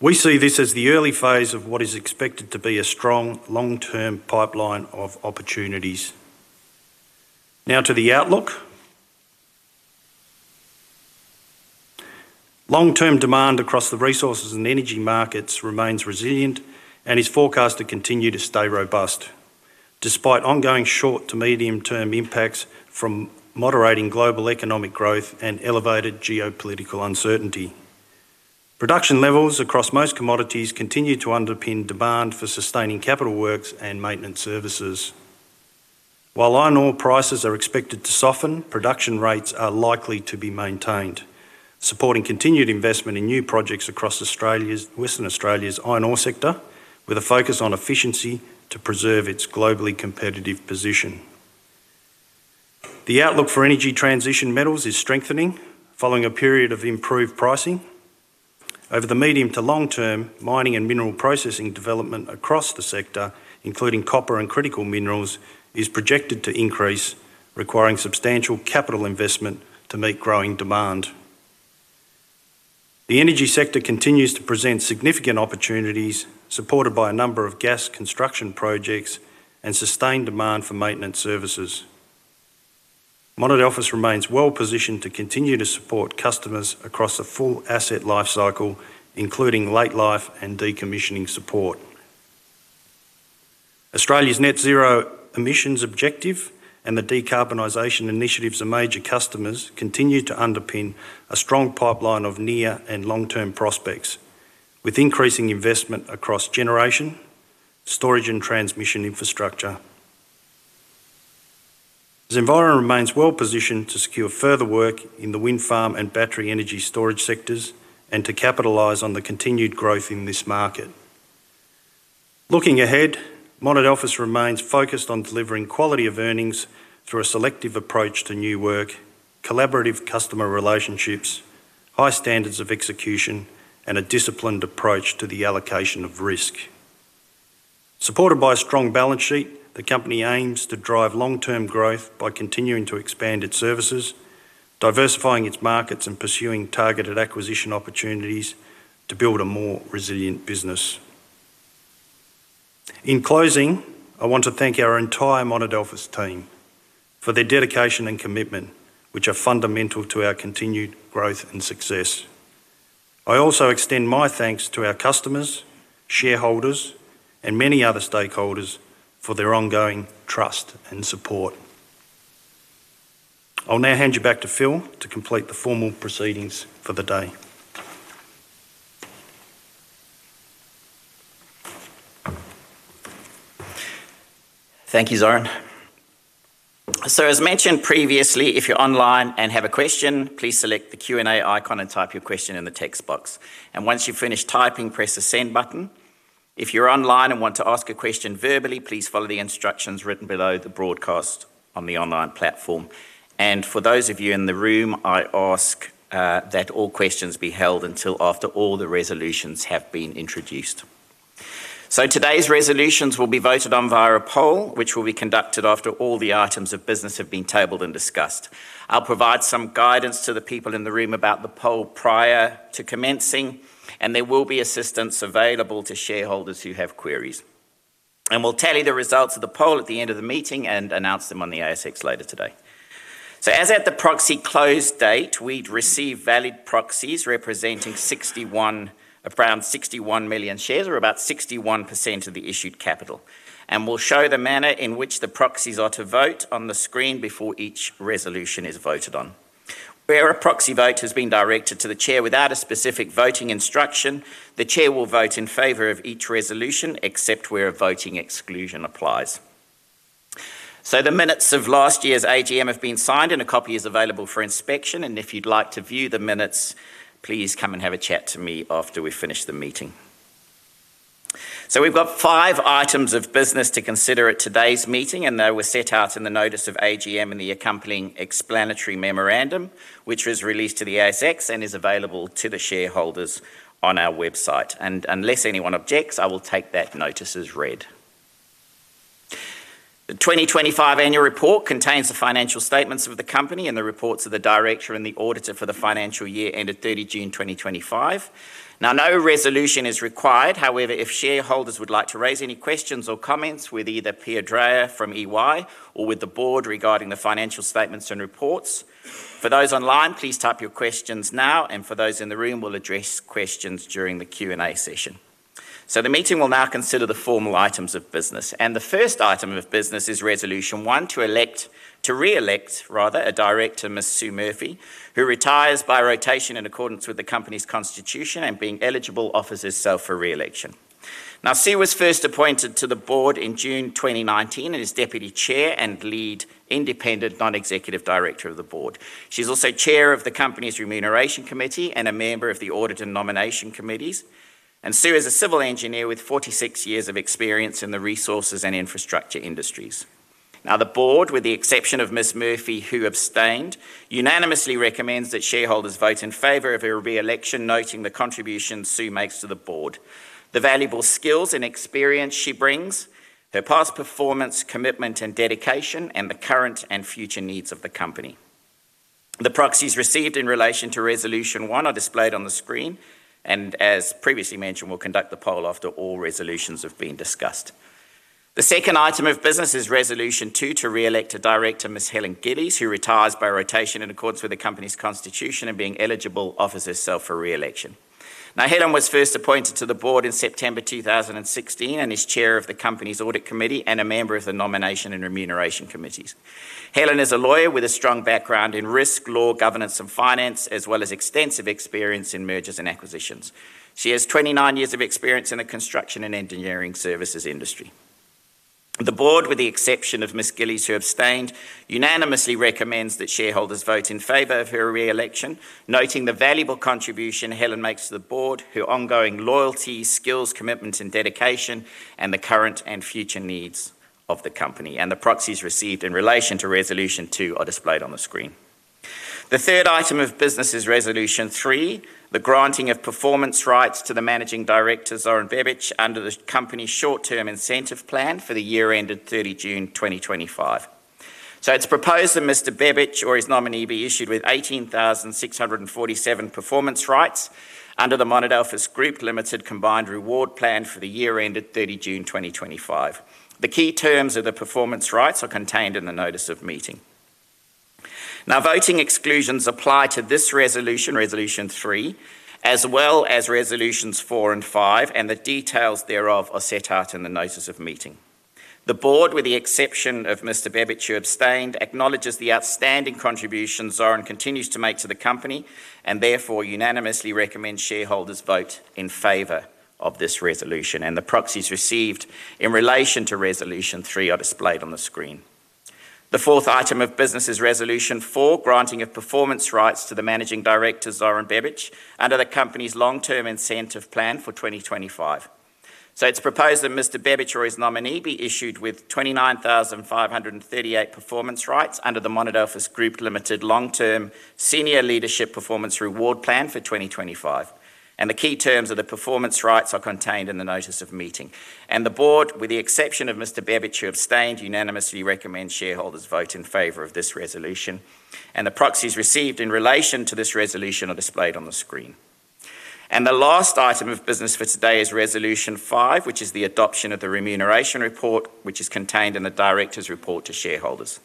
[SPEAKER 4] We see this as the early phase of what is expected to be a strong long-term pipeline of opportunities. Now to the outlook. Long-term demand across the resources and energy markets remains resilient and is forecast to continue to stay robust, despite ongoing short to medium-term impacts from moderating global economic growth and elevated geopolitical uncertainty. Production levels across most commodities continue to underpin demand for sustaining capital works and maintenance services. While iron ore prices are expected to soften, production rates are likely to be maintained, supporting continued investment in new projects across Western Australia's iron ore sector, with a focus on efficiency to preserve its globally competitive position. The outlook for energy transition metals is strengthening following a period of improved pricing. Over the medium to long term, mining and mineral processing development across the sector, including copper and critical minerals, is projected to increase, requiring substantial capital investment to meet growing demand. The energy sector continues to present significant opportunities, supported by a number of gas construction projects and sustained demand for maintenance services. Monadelphous remains well positioned to continue to support customers across a full asset life cycle, including late life and decommissioning support. Australia's net zero emissions objective and the decarbonisation initiatives of major customers continue to underpin a strong pipeline of near and long-term prospects, with increasing investment across generation, storage, and transmission infrastructure. Zenviron remains well positioned to secure further work in the wind farm and battery energy storage sectors and to capitalise on the continued growth in this market. Looking ahead, Monadelphous remains focused on delivering quality of earnings through a selective approach to new work, collaborative customer relationships, high standards of execution, and a disciplined approach to the allocation of risk. Supported by a strong balance sheet, the company aims to drive long-term growth by continuing to expand its services, diversifying its markets, and pursuing targeted acquisition opportunities to build a more resilient business. In closing, I want to thank our entire Monadelphous team for their dedication and commitment, which are fundamental to our continued growth and success. I also extend my thanks to our customers, shareholders, and many other stakeholders for their ongoing trust and support. I'll now hand you back to Phil to complete the formal proceedings for the day.
[SPEAKER 1] Thank you, Zoran. As mentioned previously, if you're online and have a question, please select the Q&A icon and type your question in the text box. Once you've finished typing, press the send button. If you're online and want to ask a question verbally, please follow the instructions written below the broadcast on the online platform. For those of you in the room, I ask that all questions be held until after all the resolutions have been introduced. Today's resolutions will be voted on via a poll, which will be conducted after all the items of business have been tabled and discussed. I'll provide some guidance to the people in the room about the poll prior to commencing, and there will be assistance available to shareholders who have queries. We'll tally the results of the poll at the end of the meeting and announce them on the ASX later today. As at the proxy close date, we'd received valid proxies representing around 61 million shares, or about 61% of the issued capital. We'll show the manner in which the proxies are to vote on the screen before each resolution is voted on. Where a proxy vote has been directed to the chair without a specific voting instruction, the chair will vote in favor of each resolution, except where a voting exclusion applies. The minutes of last year's AGM have been signed, and a copy is available for inspection. If you'd like to view the minutes, please come and have a chat to me after we finish the meeting. We have five items of business to consider at today's meeting, and they were set out in the notice of AGM and the accompanying explanatory memorandum, which was released to the ASX and is available to the shareholders on our website. Unless anyone objects, I will take that notice as read. The 2025 annual report contains the financial statements of the company and the reports of the director and the auditor for the financial year ended 30 June 2025. No resolution is required. However, if shareholders would like to raise any questions or comments with either Pierre Dragh from EY or with the board regarding the financial statements and reports, for those online, please type your questions now, and for those in the room, we will address questions during the Q&A session. The meeting will now consider the formal items of business. The first item of business is resolution one to re-elect, rather, a director, Ms. Sue Murphy, who retires by rotation in accordance with the company's constitution and being eligible offers herself for re-election. Sue was first appointed to the board in June 2019 as Deputy Chair and lead independent non-executive director of the board. She is also chair of the company's remuneration committee and a member of the audit and nomination committees. Sue is a civil engineer with 46 years of experience in the resources and infrastructure industries. The board, with the exception of Ms. Murphy who abstained, unanimously recommends that shareholders vote in favor of her re-election, noting the contribution Sue makes to the board, the valuable skills and experience she brings, her past performance, commitment, and dedication, and the current and future needs of the company. The proxies received in relation to resolution one are displayed on the screen. As previously mentioned, we'll conduct the poll after all resolutions have been discussed. The second item of business is resolution two to re-elect a director, Ms. Helen Gillies, who retires by rotation in accordance with the company's constitution and being eligible offers herself for re-election. Now, Helen was first appointed to the board in September 2016 and is chair of the company's audit committee and a member of the nomination and remuneration committees. Helen is a lawyer with a strong background in risk, law, governance, and finance, as well as extensive experience in mergers and acquisitions. She has 29 years of experience in the construction and engineering services industry. The board, with the exception of Ms. Gillies, who abstained, unanimously recommends that shareholders vote in favor of her re-election, noting the valuable contribution Helen makes to the board, her ongoing loyalty, skills, commitment, and dedication, and the current and future needs of the company. The proxies received in relation to resolution two are displayed on the screen. The third item of business is resolution three, the granting of performance rights to the Managing Director, Zoran Bebic, under the company's short-term incentive plan for the year ended 30 June 2025. It is proposed that Mr. Bebic or his nominee be issued with 18,647 performance rights under the Monadelphous Group Limited Combined Reward Plan for the year ended 30 June 2025. The key terms of the performance rights are contained in the notice of meeting. Now, voting exclusions apply to this resolution, resolution three, as well as resolutions four and five, and the details thereof are set out in the notice of meeting. The Board, with the exception of Mr. Bebic who abstained, acknowledges the outstanding contribution Zoran continues to make to the company and therefore unanimously recommends shareholders vote in favor of this resolution. The proxies received in relation to resolution three are displayed on the screen. The fourth item of business is resolution four, granting of performance rights to the Managing Director, Zoran Bebic, under the company's long-term incentive plan for 2025. It is proposed that Mr. Bebic or his nominee be issued with 29,538 performance rights under the Monadelphous Group Limited Long-Term Senior Leadership Performance Reward Plan for 2025. The key terms of the performance rights are contained in the notice of meeting. The board, with the exception of Mr. Bebic who abstained, unanimously recommends shareholders vote in favor of this resolution. The proxies received in relation to this resolution are displayed on the screen. The last item of business for today is resolution five, which is the adoption of the remuneration report, which is contained in the director's report to shareholders.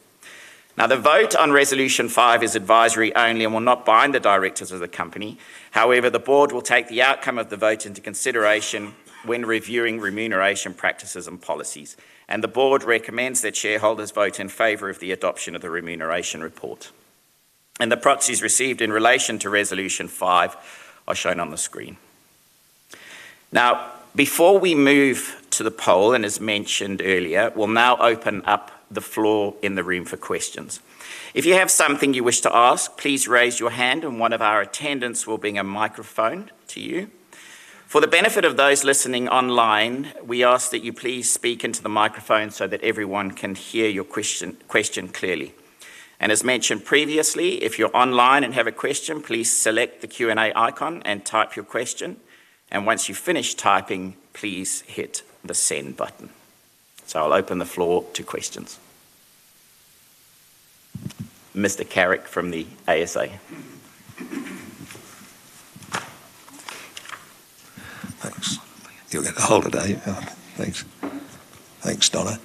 [SPEAKER 1] The vote on resolution five is advisory only and will not bind the directors of the company. However, the board will take the outcome of the vote into consideration when reviewing remuneration practices and policies. The board recommends that shareholders vote in favor of the adoption of the remuneration report. The proxies received in relation to resolution five are shown on the screen. Before we move to the poll, and as mentioned earlier, we'll now open up the floor in the room for questions. If you have something you wish to ask, please raise your hand, and one of our attendants will bring a microphone to you. For the benefit of those listening online, we ask that you please speak into the microphone so that everyone can hear your question clearly. As mentioned previously, if you're online and have a question, please select the Q&A icon and type your question. Once you've finished typing, please hit the send button. I'll open the floor to questions. Mr. Corrick from the ASA. Thanks. You'll get a hold of that. Thanks. Thanks, Donna.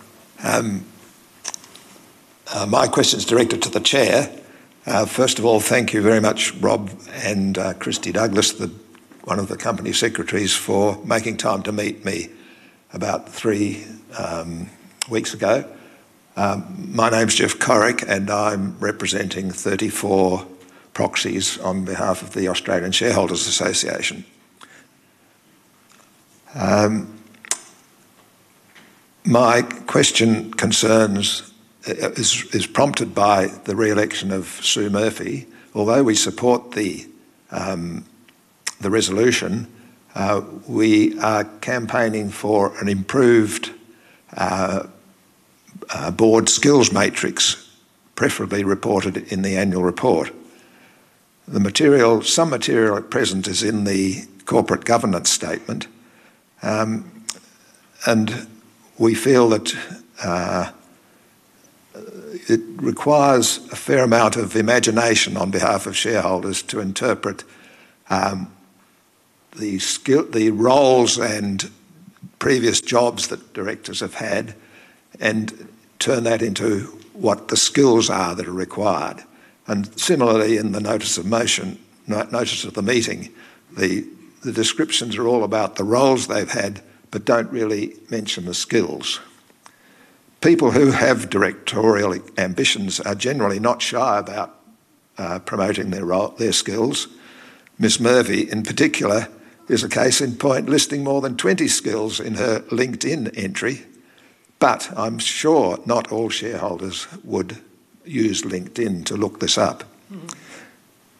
[SPEAKER 1] My question's directed to the chair. First of all, thank you very much, Rob and Kristy Glasgow, one of the company secretaries, for making time to meet me about three weeks ago. My name's Jeff Corrick, and I'm representing 34 proxies on behalf of the Australian Shareholders Association. My question is prompted by the re-election of Sue Murphy. Although we support the resolution, we are campaigning for an improved board skills matrix, preferably reported in the annual report. Some material at present is in the corporate governance statement, and we feel that it requires a fair amount of imagination on behalf of shareholders to interpret the roles and previous jobs that directors have had and turn that into what the skills are that are required. Similarly, in the notice of motion, notice of the meeting, the descriptions are all about the roles they've had but do not really mention the skills. People who have directorial ambitions are generally not shy about promoting their skills. Ms. Murphy, in particular, is a case in point listing more than 20 skills in her LinkedIn entry, but I am sure not all shareholders would use LinkedIn to look this up.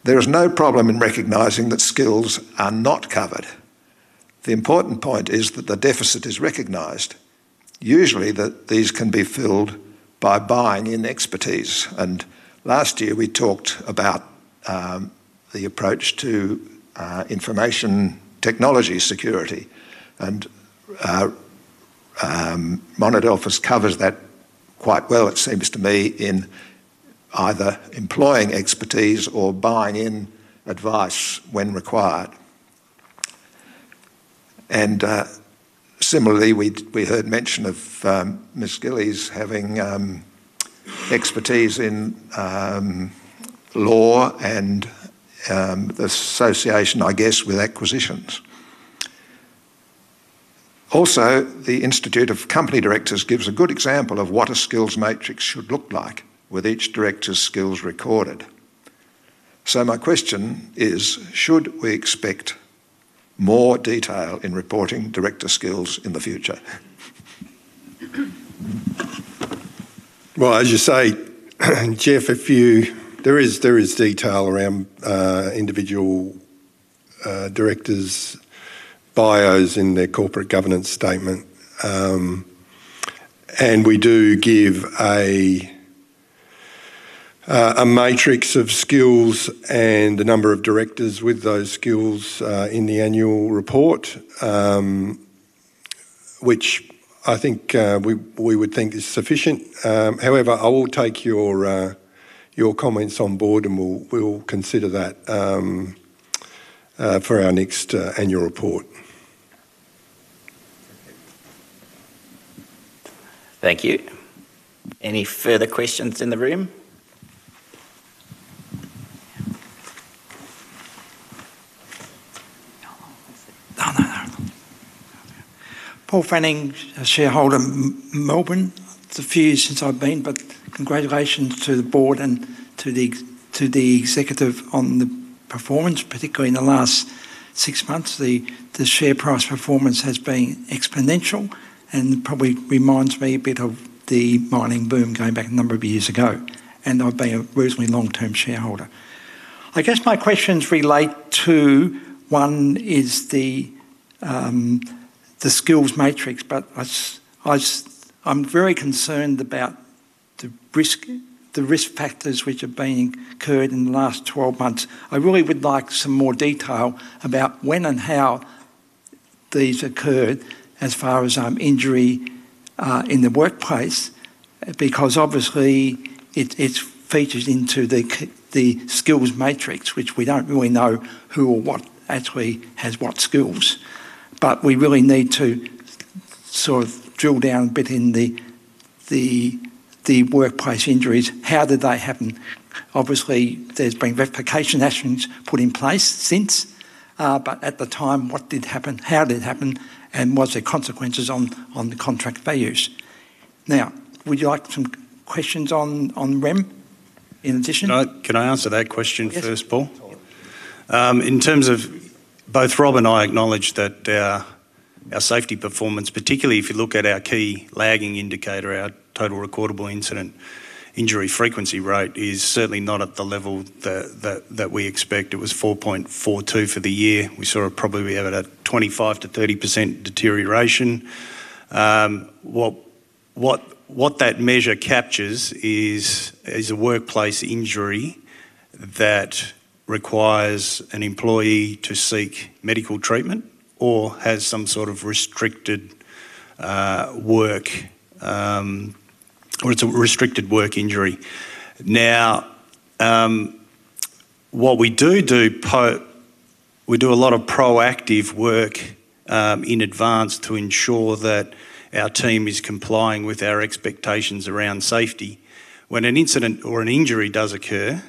[SPEAKER 1] There is no problem in recognizing that skills are not covered. The important point is that the deficit is recognized. Usually, these can be filled by buying in expertise. Last year, we talked about the approach to information technology security. Monadelphous covers that quite well, it seems to me, in either employing expertise or buying in advice when required. Similarly, we heard mention of Ms. Gillies having expertise in law and the association, I guess, with acquisitions. Also, the Institute of Company Directors gives a good example of what a skills matrix should look like with each director's skills recorded. My question is, should we expect more detail in reporting director skills in the future?
[SPEAKER 3] As you say, Jeff, there is detail around individual directors' bios in their corporate governance statement. We do give a matrix of skills and the number of directors with those skills in the annual report, which I think we would think is sufficient. However, I will take your comments on board, and we'll consider that for our next annual report.
[SPEAKER 1] Thank you. Any further questions in the room? It's a few years since I've been, but congratulations to the board and to the executive on the performance, particularly in the last six months. The share price performance has been exponential and probably reminds me a bit of the mining boom going back a number of years ago. I've been a reasonably long-term shareholder. I guess my questions relate to one is the skills matrix, but I'm very concerned about the risk factors which have occurred in the last 12 months. I really would like some more detail about when and how these occurred as far as injury in the workplace, because obviously it's featured into the skills matrix, which we don't really know who or what actually has what skills. We really need to sort of drill down a bit in the workplace injuries. How did they happen? Obviously, there's been replication actions put in place since, but at the time, what did happen? How did it happen? What are the consequences on the contract values? Now, would you like some questions on REM in addition?
[SPEAKER 4] Can I answer that question first, Paul? In terms of both Rob and I acknowledge that our safety performance, particularly if you look at our key lagging indicator, our total recordable injury frequency rate, is certainly not at the level that we expect. It was 4.42 for the year. We saw probably we have a 25%-30% deterioration. What that measure captures is a workplace injury that requires an employee to seek medical treatment or has some sort of restricted work or it's a restricted work injury. Now, what we do do, we do a lot of proactive work in advance to ensure that our team is complying with our expectations around safety. When an incident or an injury does occur,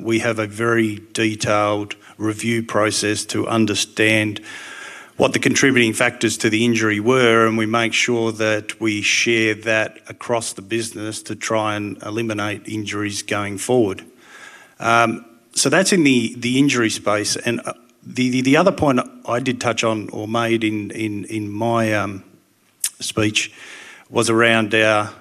[SPEAKER 4] we have a very detailed review process to understand what the contributing factors to the injury were, and we make sure that we share that across the business to try and eliminate injuries going forward. That is in the injury space. The other point I did touch on or made in my speech was around our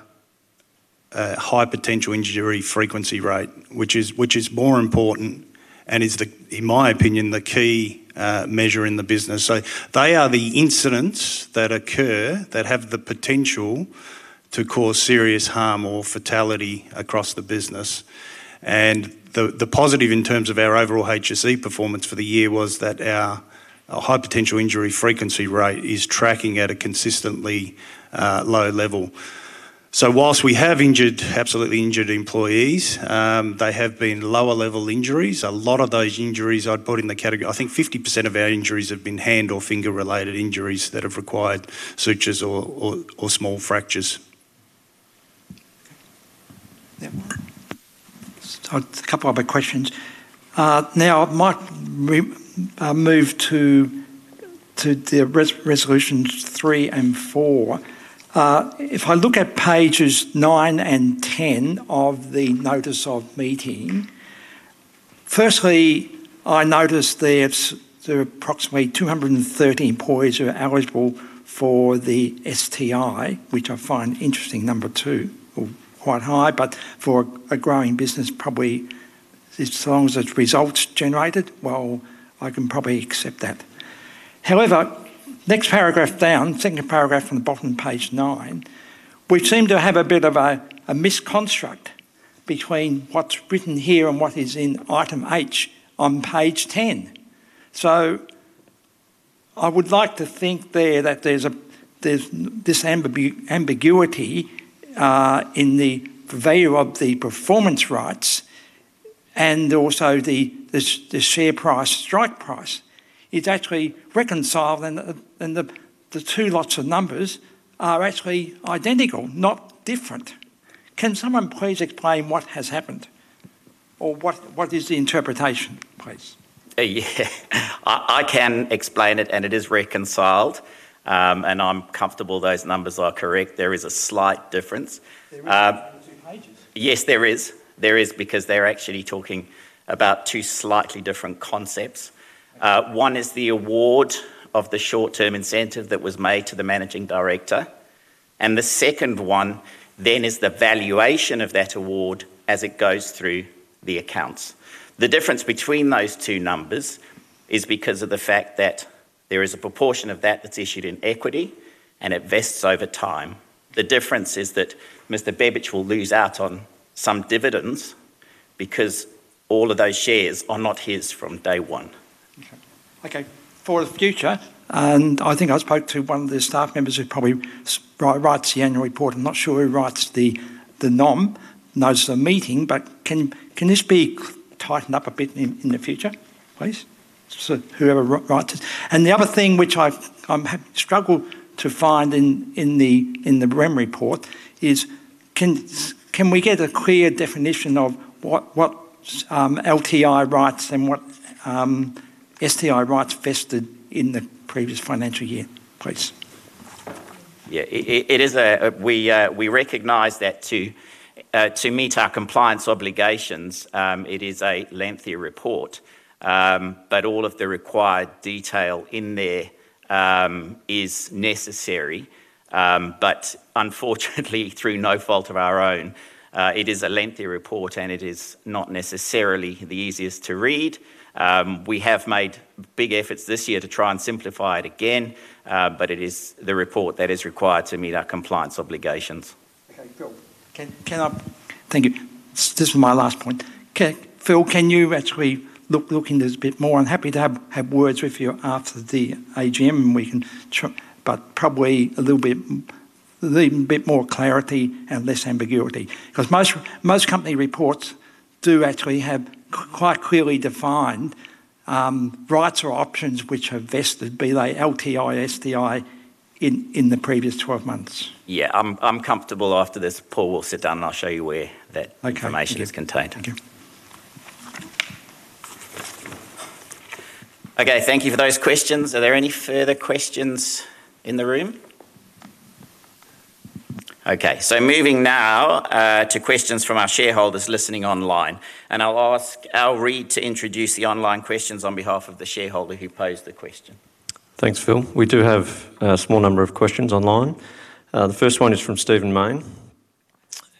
[SPEAKER 4] high potential injury frequency rate, which is more important and is, in my opinion, the key measure in the business. They are the incidents that occur that have the potential to cause serious harm or fatality across the business. The positive in terms of our overall HSE performance for the year was that our high potential injury frequency rate is tracking at a consistently low level. Whilst we have injured, absolutely injured employees, they have been lower level injuries. A lot of those injuries I'd put in the category, I think 50% of our injuries have been hand or finger related injuries that have required sutures or small fractures. A couple of other questions. Now, I might move to the resolutions three and four. If I look at pages nine and ten of the notice of meeting, firstly, I notice there's approximately 230 employees who are eligible for the STI, which I find an interesting number too, quite high, but for a growing business, probably as long as it's results generated, I can probably accept that. However, next paragraph down, second paragraph on the bottom of page nine, we seem to have a bit of a misconstruction between what's written here and what is in item H on page ten. I would like to think there that there's this ambiguity in the view of the performance rights and also the share price, strike price. It's actually reconciled, and the two lots of numbers are actually identical, not different. Can someone please explain what has happened or what is the interpretation, please?
[SPEAKER 1] Yeah, I can explain it, and it is reconciled, and I'm comfortable those numbers are correct. There is a slight difference. Yes, there is. There is because they're actually talking about two slightly different concepts. One is the award of the short-term incentive that was made to the Managing Director. The second one then is the valuation of that award as it goes through the accounts. The difference between those two numbers is because of the fact that there is a proportion of that that's issued in equity, and it vests over time. The difference is that Mr. Bebic will lose out on some dividends because all of those shares are not his from day one. Okay. For the future, and I think I spoke to one of the staff members who probably writes the annual report. I'm not sure who writes the NOM, knows the meeting, but can this be tightened up a bit in the future, please? Whoever writes it. The other thing which I've struggled to find in the REM report is, can we get a clear definition of what LTI rights and what STI rights vested in the previous financial year, please? Yeah, we recognize that to meet our compliance obligations, it is a lengthy report, but all of the required detail in there is necessary. Unfortunately, through no fault of our own, it is a lengthy report, and it is not necessarily the easiest to read. We have made big efforts this year to try and simplify it again, but it is the report that is required to meet our compliance obligations. Okay, Phil. Thank you. This is my last point. Phil, can you actually look into this a bit more? I'm happy to have words with you after the AGM, but probably a little bit more clarity and less ambiguity. Because most company reports do actually have quite clearly defined rights or options which are vested, be they LTI, STI, in the previous 12 months. Yeah, I'm comfortable after this. Paul will sit down, and I'll show you where that information is contained. Okay, thank you for those questions. Are there any further questions in the room? Okay, moving now to questions from our shareholders listening online. I'll read to introduce the online questions on behalf of the shareholder who posed the question. Thanks, Phil. We do have a small number of questions online. The first one is from Steven Mayne,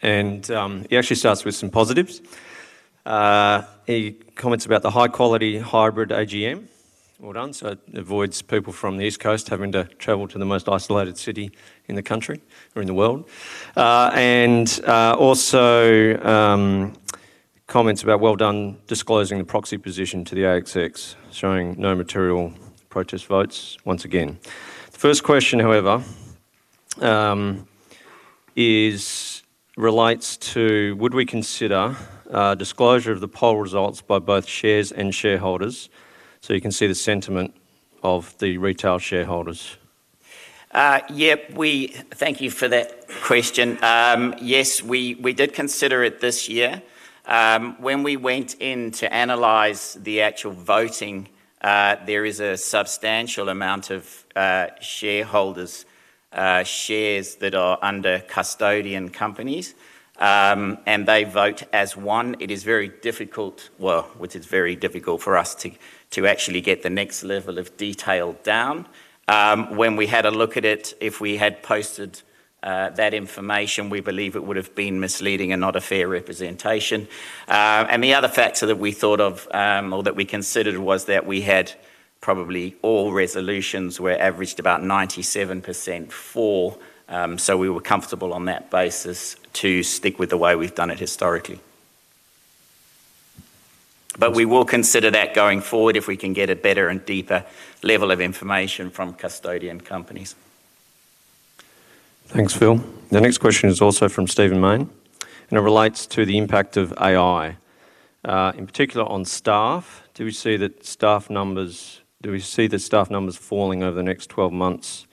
[SPEAKER 1] and he actually starts with some positives. He comments about the high-quality hybrid AGM, well done, so it avoids people from the East Coast having to travel to the most isolated city in the country or in the world. He also comments about, well done, disclosing the proxy position to the ASX, showing no material protest votes once again. The first question, however, relates to, would we consider disclosure of the poll results by both shares and shareholders? So you can see the sentiment of the retail shareholders. Yep, thank you for that question. Yes, we did consider it this year. When we went in to analyze the actual voting, there is a substantial amount of shareholders' shares that are under custodian companies, and they vote as one. It is very difficult, which is very difficult for us to actually get the next level of detail down. When we had a look at it, if we had posted that information, we believe it would have been misleading and not a fair representation. The other factor that we thought of or that we considered was that we had probably all resolutions where averaged about 97% for, so we were comfortable on that basis to stick with the way we've done it historically. We will consider that going forward if we can get a better and deeper level of information from custodian companies. Thanks, Phil. The next question is also from Steven Mayne, and it relates to the impact of AI, in particular on staff. Do we see that staff numbers falling over the next 12 months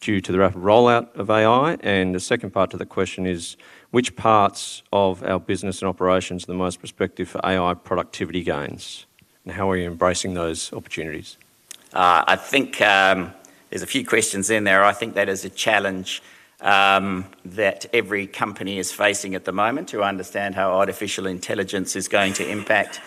[SPEAKER 1] due to the rapid rollout of AI? The second part of the question is, which parts of our business and operations are the most prospective for AI productivity gains, and how are you embracing those opportunities? I think there's a few questions in there. I think that is a challenge that every company is facing at the moment to understand how artificial intelligence is going to impact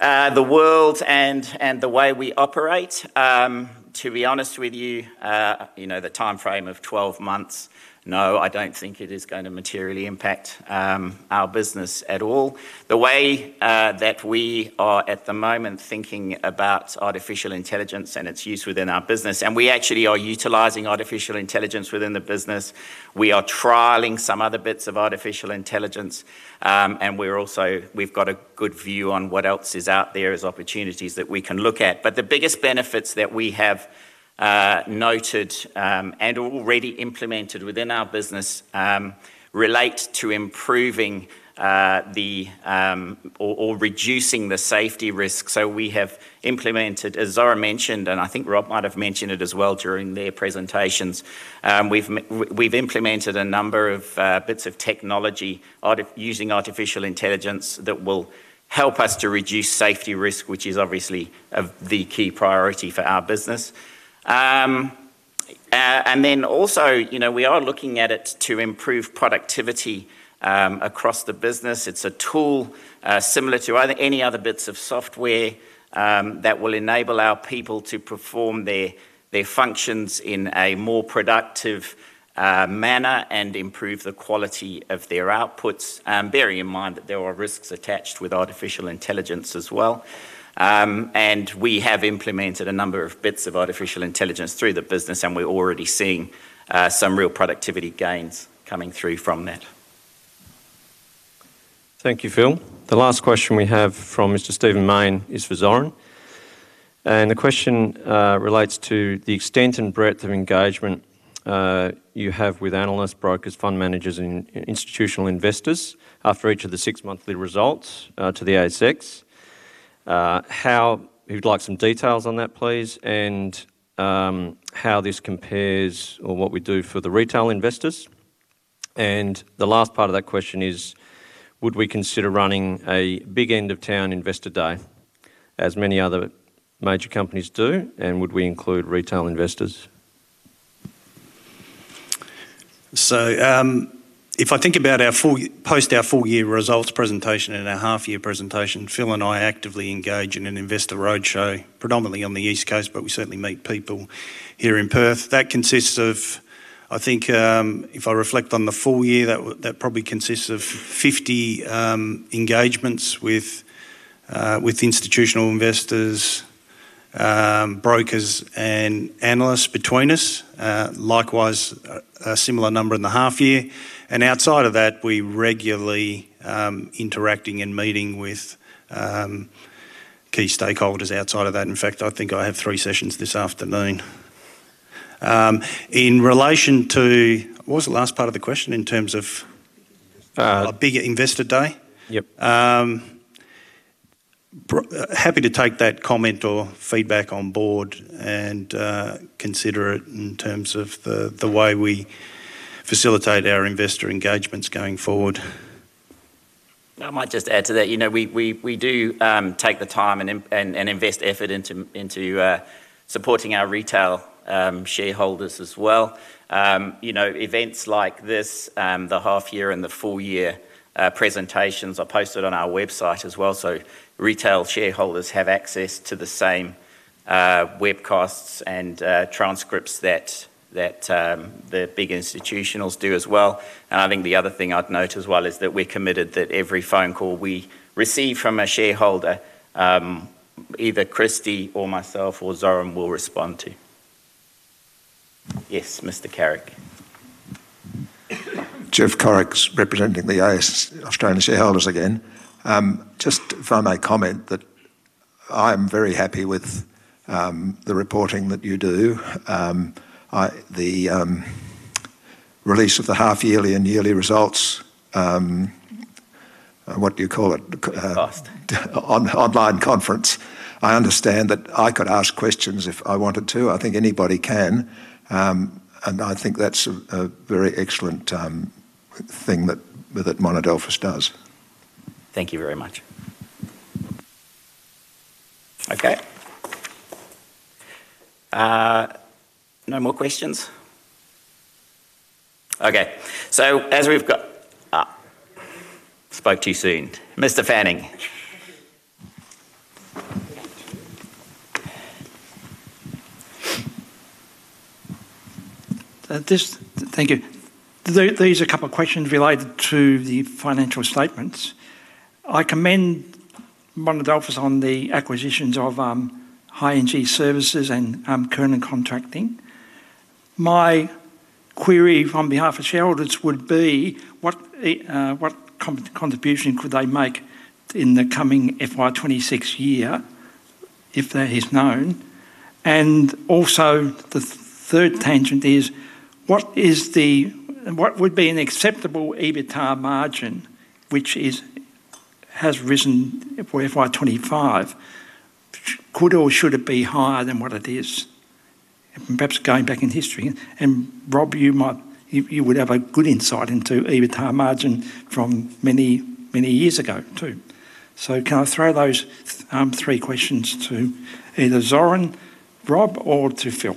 [SPEAKER 1] the world and the way we operate. To be honest with you, the timeframe of 12 months, no, I don't think it is going to materially impact our business at all. The way that we are at the moment thinking about artificial intelligence and its use within our business, and we actually are utilising artificial intelligence within the business. We are trialling some other bits of artificial intelligence, and we've got a good view on what else is out there as opportunities that we can look at. The biggest benefits that we have noted and already implemented within our business relate to improving the or reducing the safety risk. We have implemented, as Zara mentioned, and I think Rob might have mentioned it as well during their presentations, we've implemented a number of bits of technology using artificial intelligence that will help us to reduce safety risk, which is obviously the key priority for our business. We are also looking at it to improve productivity across the business. It's a tool similar to any other bits of software that will enable our people to perform their functions in a more productive manner and improve the quality of their outputs, bearing in mind that there are risks attached with artificial intelligence as well. We have implemented a number of bits of artificial intelligence through the business, and we're already seeing some real productivity gains coming through from that. Thank you, Phil. The last question we have from Mr. Steven Mayne is for Zoran. The question relates to the extent and breadth of engagement you have with analysts, brokers, fund managers, and institutional investors after each of the six monthly results to the ASX. He'd like some details on that, please, and how this compares or what we do for the retail investors. The last part of that question is, would we consider running a big end of town investor day as many other major companies do, and would we include retail investors?
[SPEAKER 4] If I think about our post our full year results presentation and our half year presentation, Phil and I actively engage in an investor roadshow, predominantly on the East Coast, but we certainly meet people here in Perth. That consists of, I think if I reflect on the full year, that probably consists of 50 engagements with institutional investors, brokers, and analysts between us. Likewise, a similar number in the half year. Outside of that, we regularly interact and meet with key stakeholders outside of that. In fact, I think I have three sessions this afternoon. In relation to, what was the last part of the question in terms of a bigger investor day? Happy to take that comment or feedback on board and consider it in terms of the way we facilitate our investor engagements going forward.
[SPEAKER 1] I might just add to that. We do take the time and invest effort into supporting our retail shareholders as well. Events like this, the half year and the full year presentations are posted on our website as well. Retail shareholders have access to the same webcasts and transcripts that the big institutionals do as well. I think the other thing I'd note as well is that we're committed that every phone call we receive from a shareholder, either Kristy or myself or Zoran will respond to. Yes, Mr. Corrick. Jeff Corrick, representing the Australian shareholders again. Just if I may comment that I am very happy with the reporting that you do. The release of the half yearly and yearly results, what do you call it? Cost. Online conference. I understand that I could ask questions if I wanted to. I think anybody can. I think that's a very excellent thing that Monadelphous does. Thank you very much. Okay. No more questions? Okay. Spoke too soon. Mr. Fanning. Thank you. These are a couple of questions related to the financial statements. I commend Monadelphous on the acquisitions of High Energy Service and Kerman Contracting. My query on behalf of shareholders would be what contribution could they make in the coming FY 2026 year if that is known? Also, the third tangent is what would be an acceptable EBITDA margin which has risen for FY 2025? Could or should it be higher than what it is? Perhaps going back in history. Rob, you would have a good insight into EBITDA margin from many years ago too. Can I throw those three questions to either Zoran, Rob, or to Phil?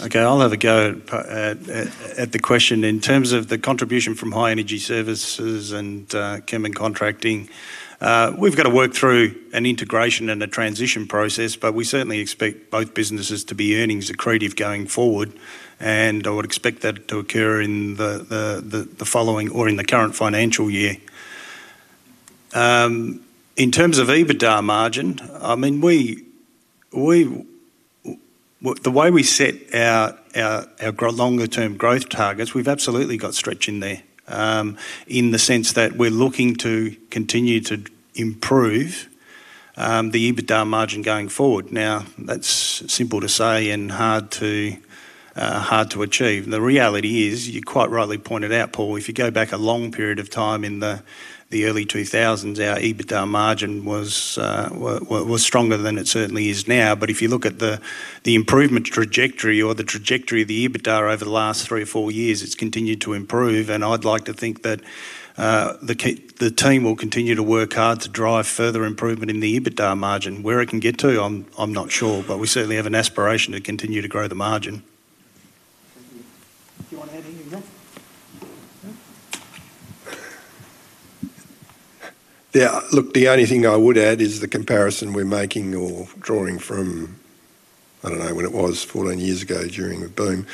[SPEAKER 4] Okay, I'll have a go at the question. In terms of the contribution from High Energy Service and Kerman Contracting, we've got to work through an integration and a transition process, but we certainly expect both businesses to be earnings accretive going forward. I would expect that to occur in the following or in the current financial year. In terms of EBITDA margin, I mean, the way we set our longer-term growth targets, we've absolutely got stretch in there in the sense that we're looking to continue to improve the EBITDA margin going forward. Now, that's simple to say and hard to achieve. The reality is, you quite rightly pointed out, Paul, if you go back a long period of time in the early 2000s, our EBITDA margin was stronger than it certainly is now. If you look at the improvement trajectory or the trajectory of the EBITDA over the last three or four years, it's continued to improve. I'd like to think that the team will continue to work hard to drive further improvement in the EBITDA margin. Where it can get to, I'm not sure, but we certainly have an aspiration to continue to grow the margin. Thank you. Do you want to add anything to that?
[SPEAKER 5] Yeah, look, the only thing I would add is the comparison we're making or drawing from, I don't know, when it was 14 years ago during the boom.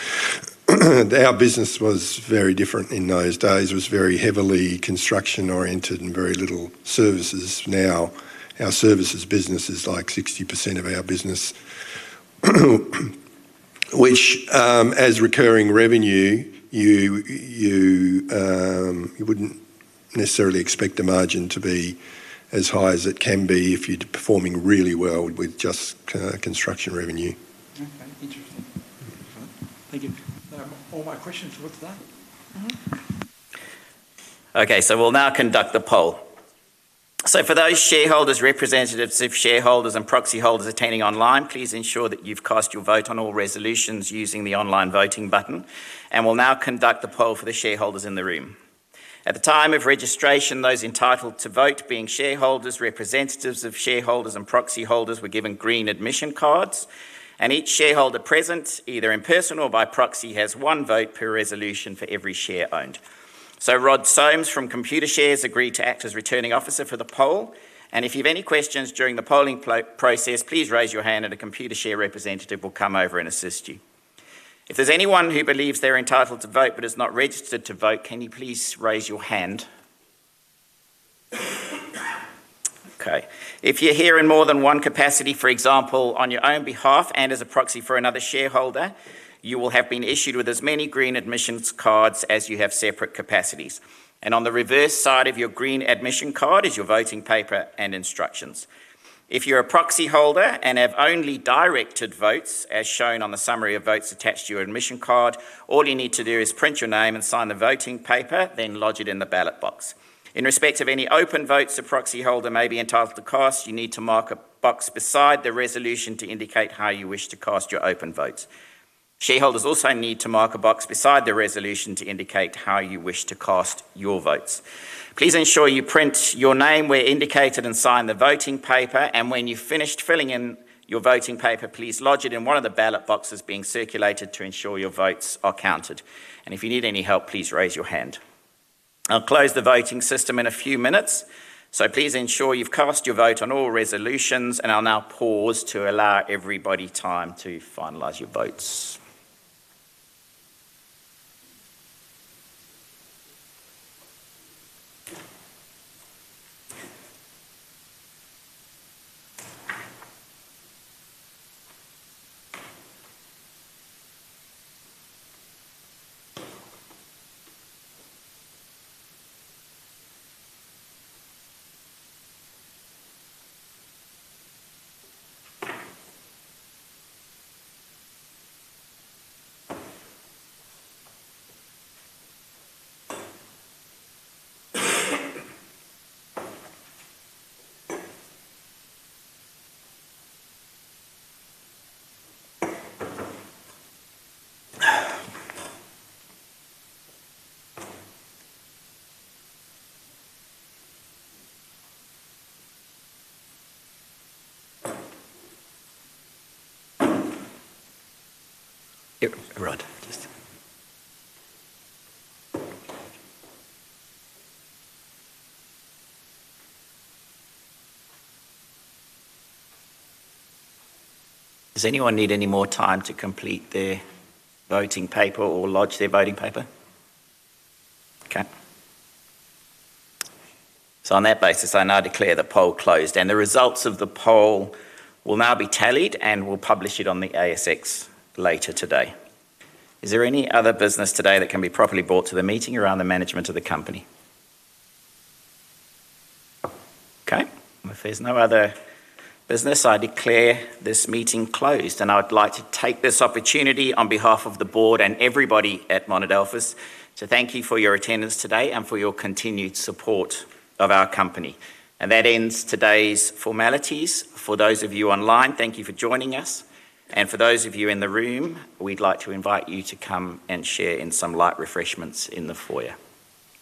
[SPEAKER 5] Our business was very different in those days. It was very heavily construction-oriented and very little services. Now, our services business is like 60% of our business, which, as recurring revenue, you wouldn't necessarily expect the margin to be as high as it can be if you're performing really well with just construction revenue. Okay, interesting. Thank you. All my questions for today.
[SPEAKER 1] Okay, we'll now conduct the poll. For those shareholders, representatives of shareholders, and proxy holders attending online, please ensure that you've cast your vote on all resolutions using the online voting button. We'll now conduct the poll for the shareholders in the room. At the time of registration, those entitled to vote, being shareholders, representatives of shareholders, and proxy holders, were given green admission cards. Each shareholder present, either in person or by proxy, has one vote per resolution for every share owned. Rod Somes from Computershare has agreed to act as returning officer for the poll. If you have any questions during the polling process, please raise your hand and a Computershare representative will come over and assist you. If there's anyone who believes they're entitled to vote but is not registered to vote, can you please raise your hand? Okay. If you're here in more than one capacity, for example, on your own behalf and as a proxy for another shareholder, you will have been issued with as many green admission cards as you have separate capacities. On the reverse side of your green admission card is your voting paper and instructions. If you're a proxy holder and have only directed votes, as shown on the summary of votes attached to your admission card, all you need to do is print your name and sign the voting paper, then lodge it in the ballot box. In respect of any open votes a proxy holder may be entitled to cast, you need to mark a box beside the resolution to indicate how you wish to cast your open votes. Shareholders also need to mark a box beside the resolution to indicate how you wish to cast your votes. Please ensure you print your name where indicated and sign the voting paper. When you've finished filling in your voting paper, please lodge it in one of the ballot boxes being circulated to ensure your votes are counted. If you need any help, please raise your hand. I'll close the voting system in a few minutes. Please ensure you've cast your vote on all resolutions. I'll now pause to allow everybody time to finalize your votes. Rod, just. Does anyone need any more time to complete their voting paper or lodge their voting paper? Okay. On that basis, I now declare the poll closed. The results of the poll will now be tallied and we'll publish it on the ASX later today. Is there any other business today that can be properly brought to the meeting around the management of the company? Okay. If there's no other business, I declare this meeting closed. I would like to take this opportunity on behalf of the board and everybody at Monadelphous to thank you for your attendance today and for your continued support of our company. That ends today's formalities. For those of you online, thank you for joining us. For those of you in the room, we'd like to invite you to come and share in some light refreshments in the foyer.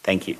[SPEAKER 1] Thank you.